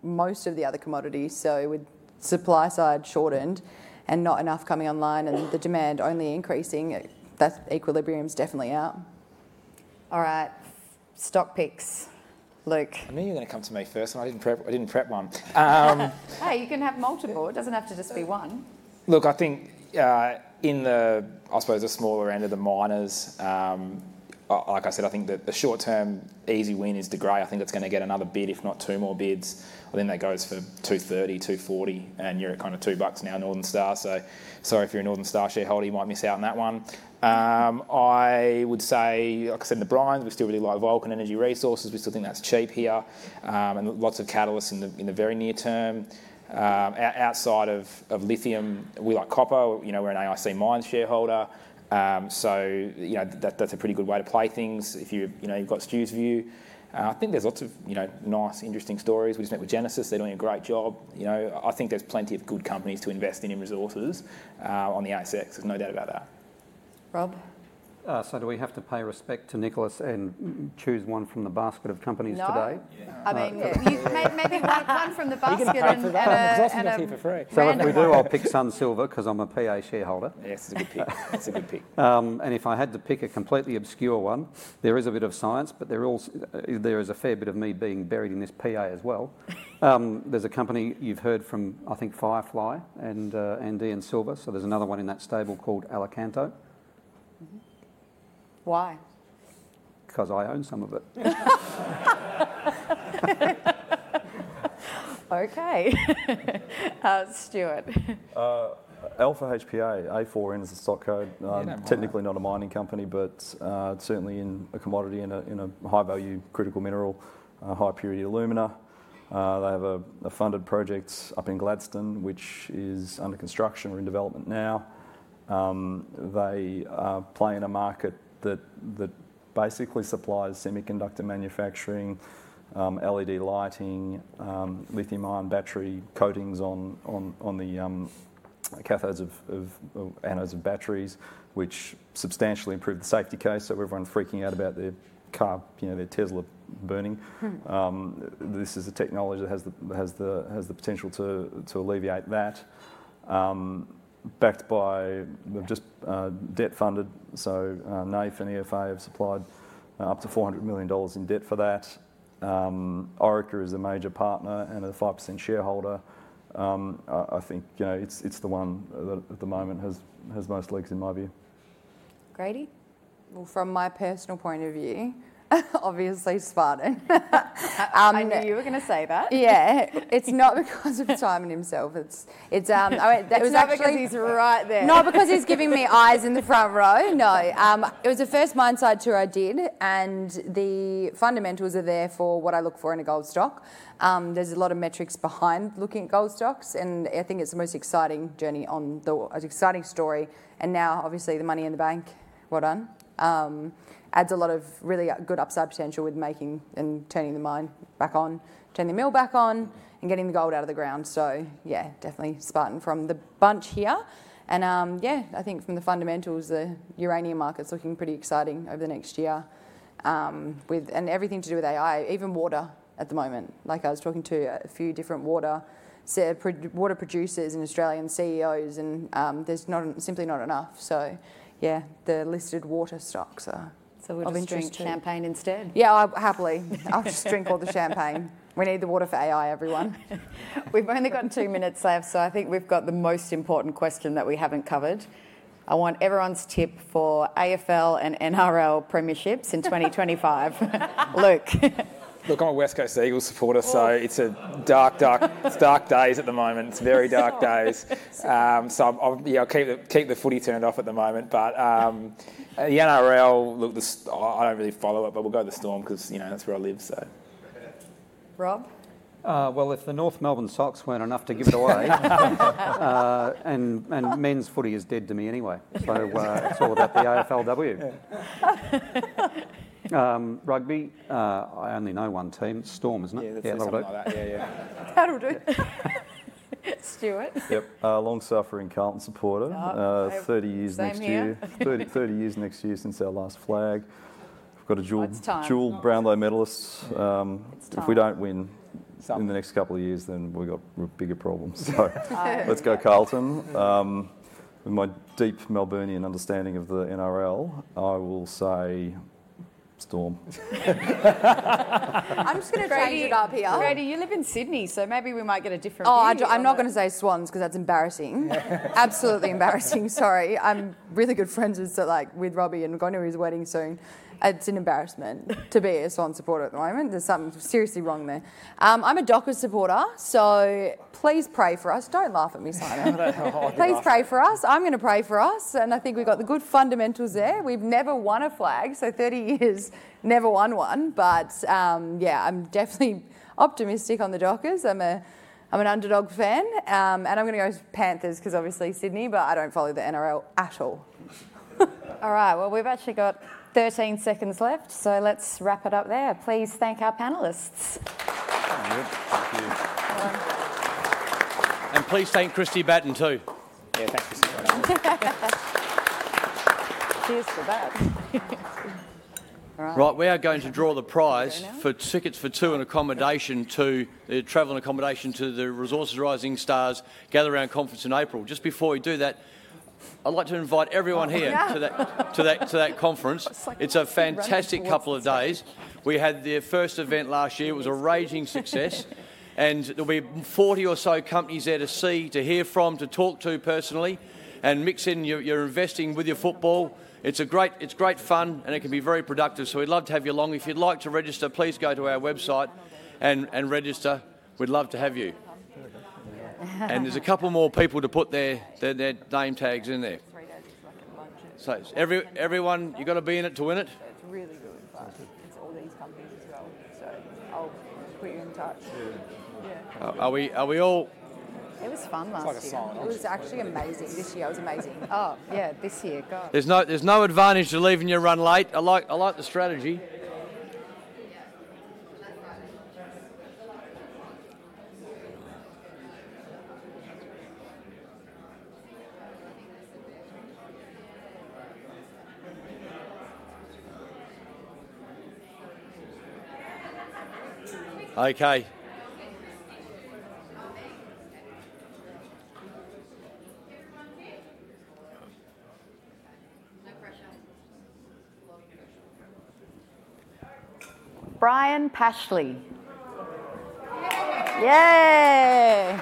most of the other commodities, so with supply side shortened and not enough coming online and the demand only increasing, that equilibrium's definitely out. All right. Stock picks. Luke. I knew you were going to come to me first, and I didn't prep one. Hey, you can have multiple. It doesn't have to just be one. Look, I think in the, I suppose, a smaller end of the miners, like I said, I think the short-term easy win is De Grey. I think it's going to get another bid, if not two more bids, and then that goes for 230-240, and you're at kind of two bucks now, Northern Star. So sorry if you're a Northern Star shareholder, you might miss out on that one. I would say, like I said, the brines, we still really like Vulcan Energy Resources. We still think that's cheap here and lots of catalysts in the very near term. Outside of lithium, we like copper. We're an AIC Mines shareholder, so that's a pretty good way to play things if you've got Stu's view. I think there's lots of nice, interesting stories. We just met with Genesis. They're doing a great job. I think there's plenty of good companies to invest in resources on the ASX. There's no doubt about that. Rob? So do we have to pay respect to Nicholas and choose one from the basket of companies today? I mean, we maybe want one from the basket and. You can't pick a basket of companies for free. So if we do, I'll pick Sun Silver because I'm a PA shareholder. Yes, it's a good pick. If I had to pick a completely obscure one, there is a bit of science, but there is a fair bit of me being buried in this PA as well. There's a company you've heard from, I think, Firefly and Andean Silver, so there's another one in that stable called Alicanto. Why? Because I own some of it. Okay. Stuart? Alpha HPA, A4N is the stock code. Technically not a mining company, but certainly a commodity and a high-value critical mineral, high-purity alumina. They have a funded project up in Gladstone, which is under construction or in development now. They play in a market that basically supplies semiconductor manufacturing, LED lighting, lithium-ion battery coatings on the cathodes and anodes of batteries, which substantially improved the safety case so everyone's freaking out about their car, their Tesla burning. This is a technology that has the potential to alleviate that. Backed by, just debt funded, so NAIF and EFA have supplied up to 400 million dollars in debt for that. Orica is a major partner and a 5% shareholder. I think it's the one that at the moment has most legs in my view. Grady? From my personal point of view, obviously Spartan. I knew you were going to say that. Yeah. It's not because of Simon himself. It's actually. It was actually because he's right there. No, because he's giving me eyes in the front row. No. It was the first mine site tour I did, and the fundamentals are there for what I look for in a gold stock. There's a lot of metrics behind looking at gold stocks, and I think it's the most exciting journey on the exciting story, and now, obviously, the money in the bank, well done, adds a lot of really good upside potential with making and turning the mine back on, turning the mill back on, and getting the gold out of the ground, so yeah, definitely standout from the bunch here, and yeah, I think from the fundamentals, the uranium market's looking pretty exciting over the next year with everything to do with AI, even water at the moment. Like I was talking to a few different water producers in Australia and CEOs, and there's simply not enough. So yeah, the listed water stocks are. So we'll just drink champagne instead. Yeah, happily. I'll just drink all the champagne. We need the water for AI, everyone. We've only got two minutes left, so I think we've got the most important question that we haven't covered. I want everyone's tip for AFL and NRL Premierships in 2025. Luke. Look, I'm a West Coast Eagles supporter, so it's dark, dark, it's dark days at the moment. It's very dark days. So yeah, I'll keep the footy turned off at the moment, but the NRL, look, I don't really follow it, but we'll go to the Storm because that's where I live, so. Rob? If the North Melbourne socks weren't enough to give it away, and men's footy is dead to me anyway, so it's all about the AFLW. Rugby, I only know one team. Storm, isn't it? Yeah, they're talking about that. Yeah, yeah. Stuart? Yep. Long-suffering Carlton supporter. 30 years next year. Oh, same here. 30 years next year since our last flag. We've got a dual Brownlow medalist. It's time. If we don't win in the next couple of years, then we've got bigger problems. So let's go Carlton. With my deep Melburnian understanding of the NRL, I will say Storm. I'm just going to change it up here. Grady, you live in Sydney, so maybe we might get a different view. Oh, I'm not going to say Swans because that's embarrassing. Absolutely embarrassing. Sorry. I'm really good friends with Robbie and we're going to his wedding soon. It's an embarrassment to be a Swan supporter at the moment. There's something seriously wrong there. I'm a Dockers supporter, so please pray for us. Don't laugh at me, Simon. Please pray for us. I'm going to pray for us, and I think we've got the good fundamentals there. We've never won a flag, so 30 years, never won one, but yeah, I'm definitely optimistic on the Dockers. I'm an underdog fan, and I'm going to go with Panthers because obviously Sydney, but I don't follow the NRL at all. All right, well, we've actually got 13 seconds left, so let's wrap it up there. Please thank our panelists. Thank you. Please thank Kristie Batten too. Yeah, thank Kristie Batten too. Cheers to that. All right. Right, we are going to draw the prize for tickets for two and accommodation to the travel and accommodation to the Resources Rising Stars Gather Round Conference in April. Just before we do that, I'd like to invite everyone here to that conference. It's a fantastic couple of days. We had the first event last year. It was a raging success, and there'll be 40 or so companies there to see, to hear from, to talk to personally, and mix in your investing with your football. It's great fun, and it can be very productive, so we'd love to have you along. If you'd like to register, please go to our website and register. We'd love to have you, and there's a couple more people to put their name tags in there. Three days is like a luncheon. So everyone, you've got to be in it to win it. It's really good. It's all these companies as well, so I'll put you in touch. Yeah. Are we all? It was fun last year. It was like a song. It was actually amazing. This year was amazing. Oh, yeah, this year, God. There's no advantage to leaving your run late. I like the strategy. Okay. Brian Pashley. Yay. Yay.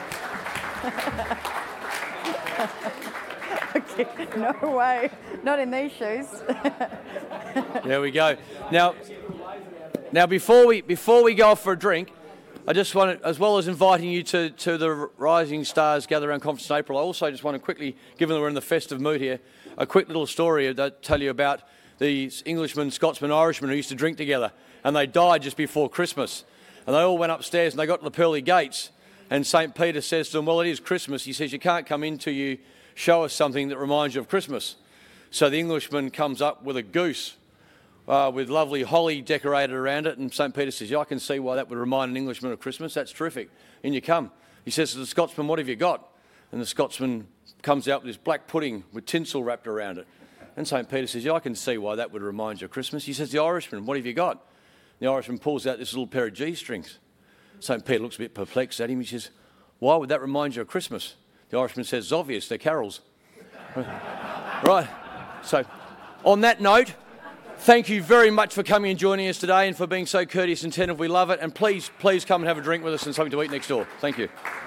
Okay. No way. Not in these shoes. There we go. Now, before we go off for a drink, I just wanted, as well as inviting you to the Rising Stars Gather Round Conference in April, I also just want to quickly, given that we're in the festive mood here, a quick little story that I'll tell you about these Englishmen, Scotsman, Irishman who used to drink together, and they died just before Christmas, and they all went upstairs, and they got to the pearly gates, and St. Peter says to them, "Well, it is Christmas." He says, "You can't come in till you show us something that reminds you of Christmas," so the Englishman comes up with a goose with lovely holly decorated around it, and St. Peter says, "Yeah, I can see why that would remind an Englishman of Christmas. That's terrific." In you come. He says to the Scotsman, "What have you got?" And the Scotsman comes out with this black pudding with tinsel wrapped around it. And St. Peter says, "Yeah, I can see why that would remind you of Christmas." He says to the Irishman, "What have you got?" The Irishman pulls out this little pair of G-strings. St. Peter looks a bit perplexed at him. He says, "Why would that remind you of Christmas?" The Irishman says, "It's obvious. They're Carol's." Right. So on that note, thank you very much for coming and joining us today and for being so courteous and tender. We love it. And please, please come and have a drink with us and something to eat next door. Thank you.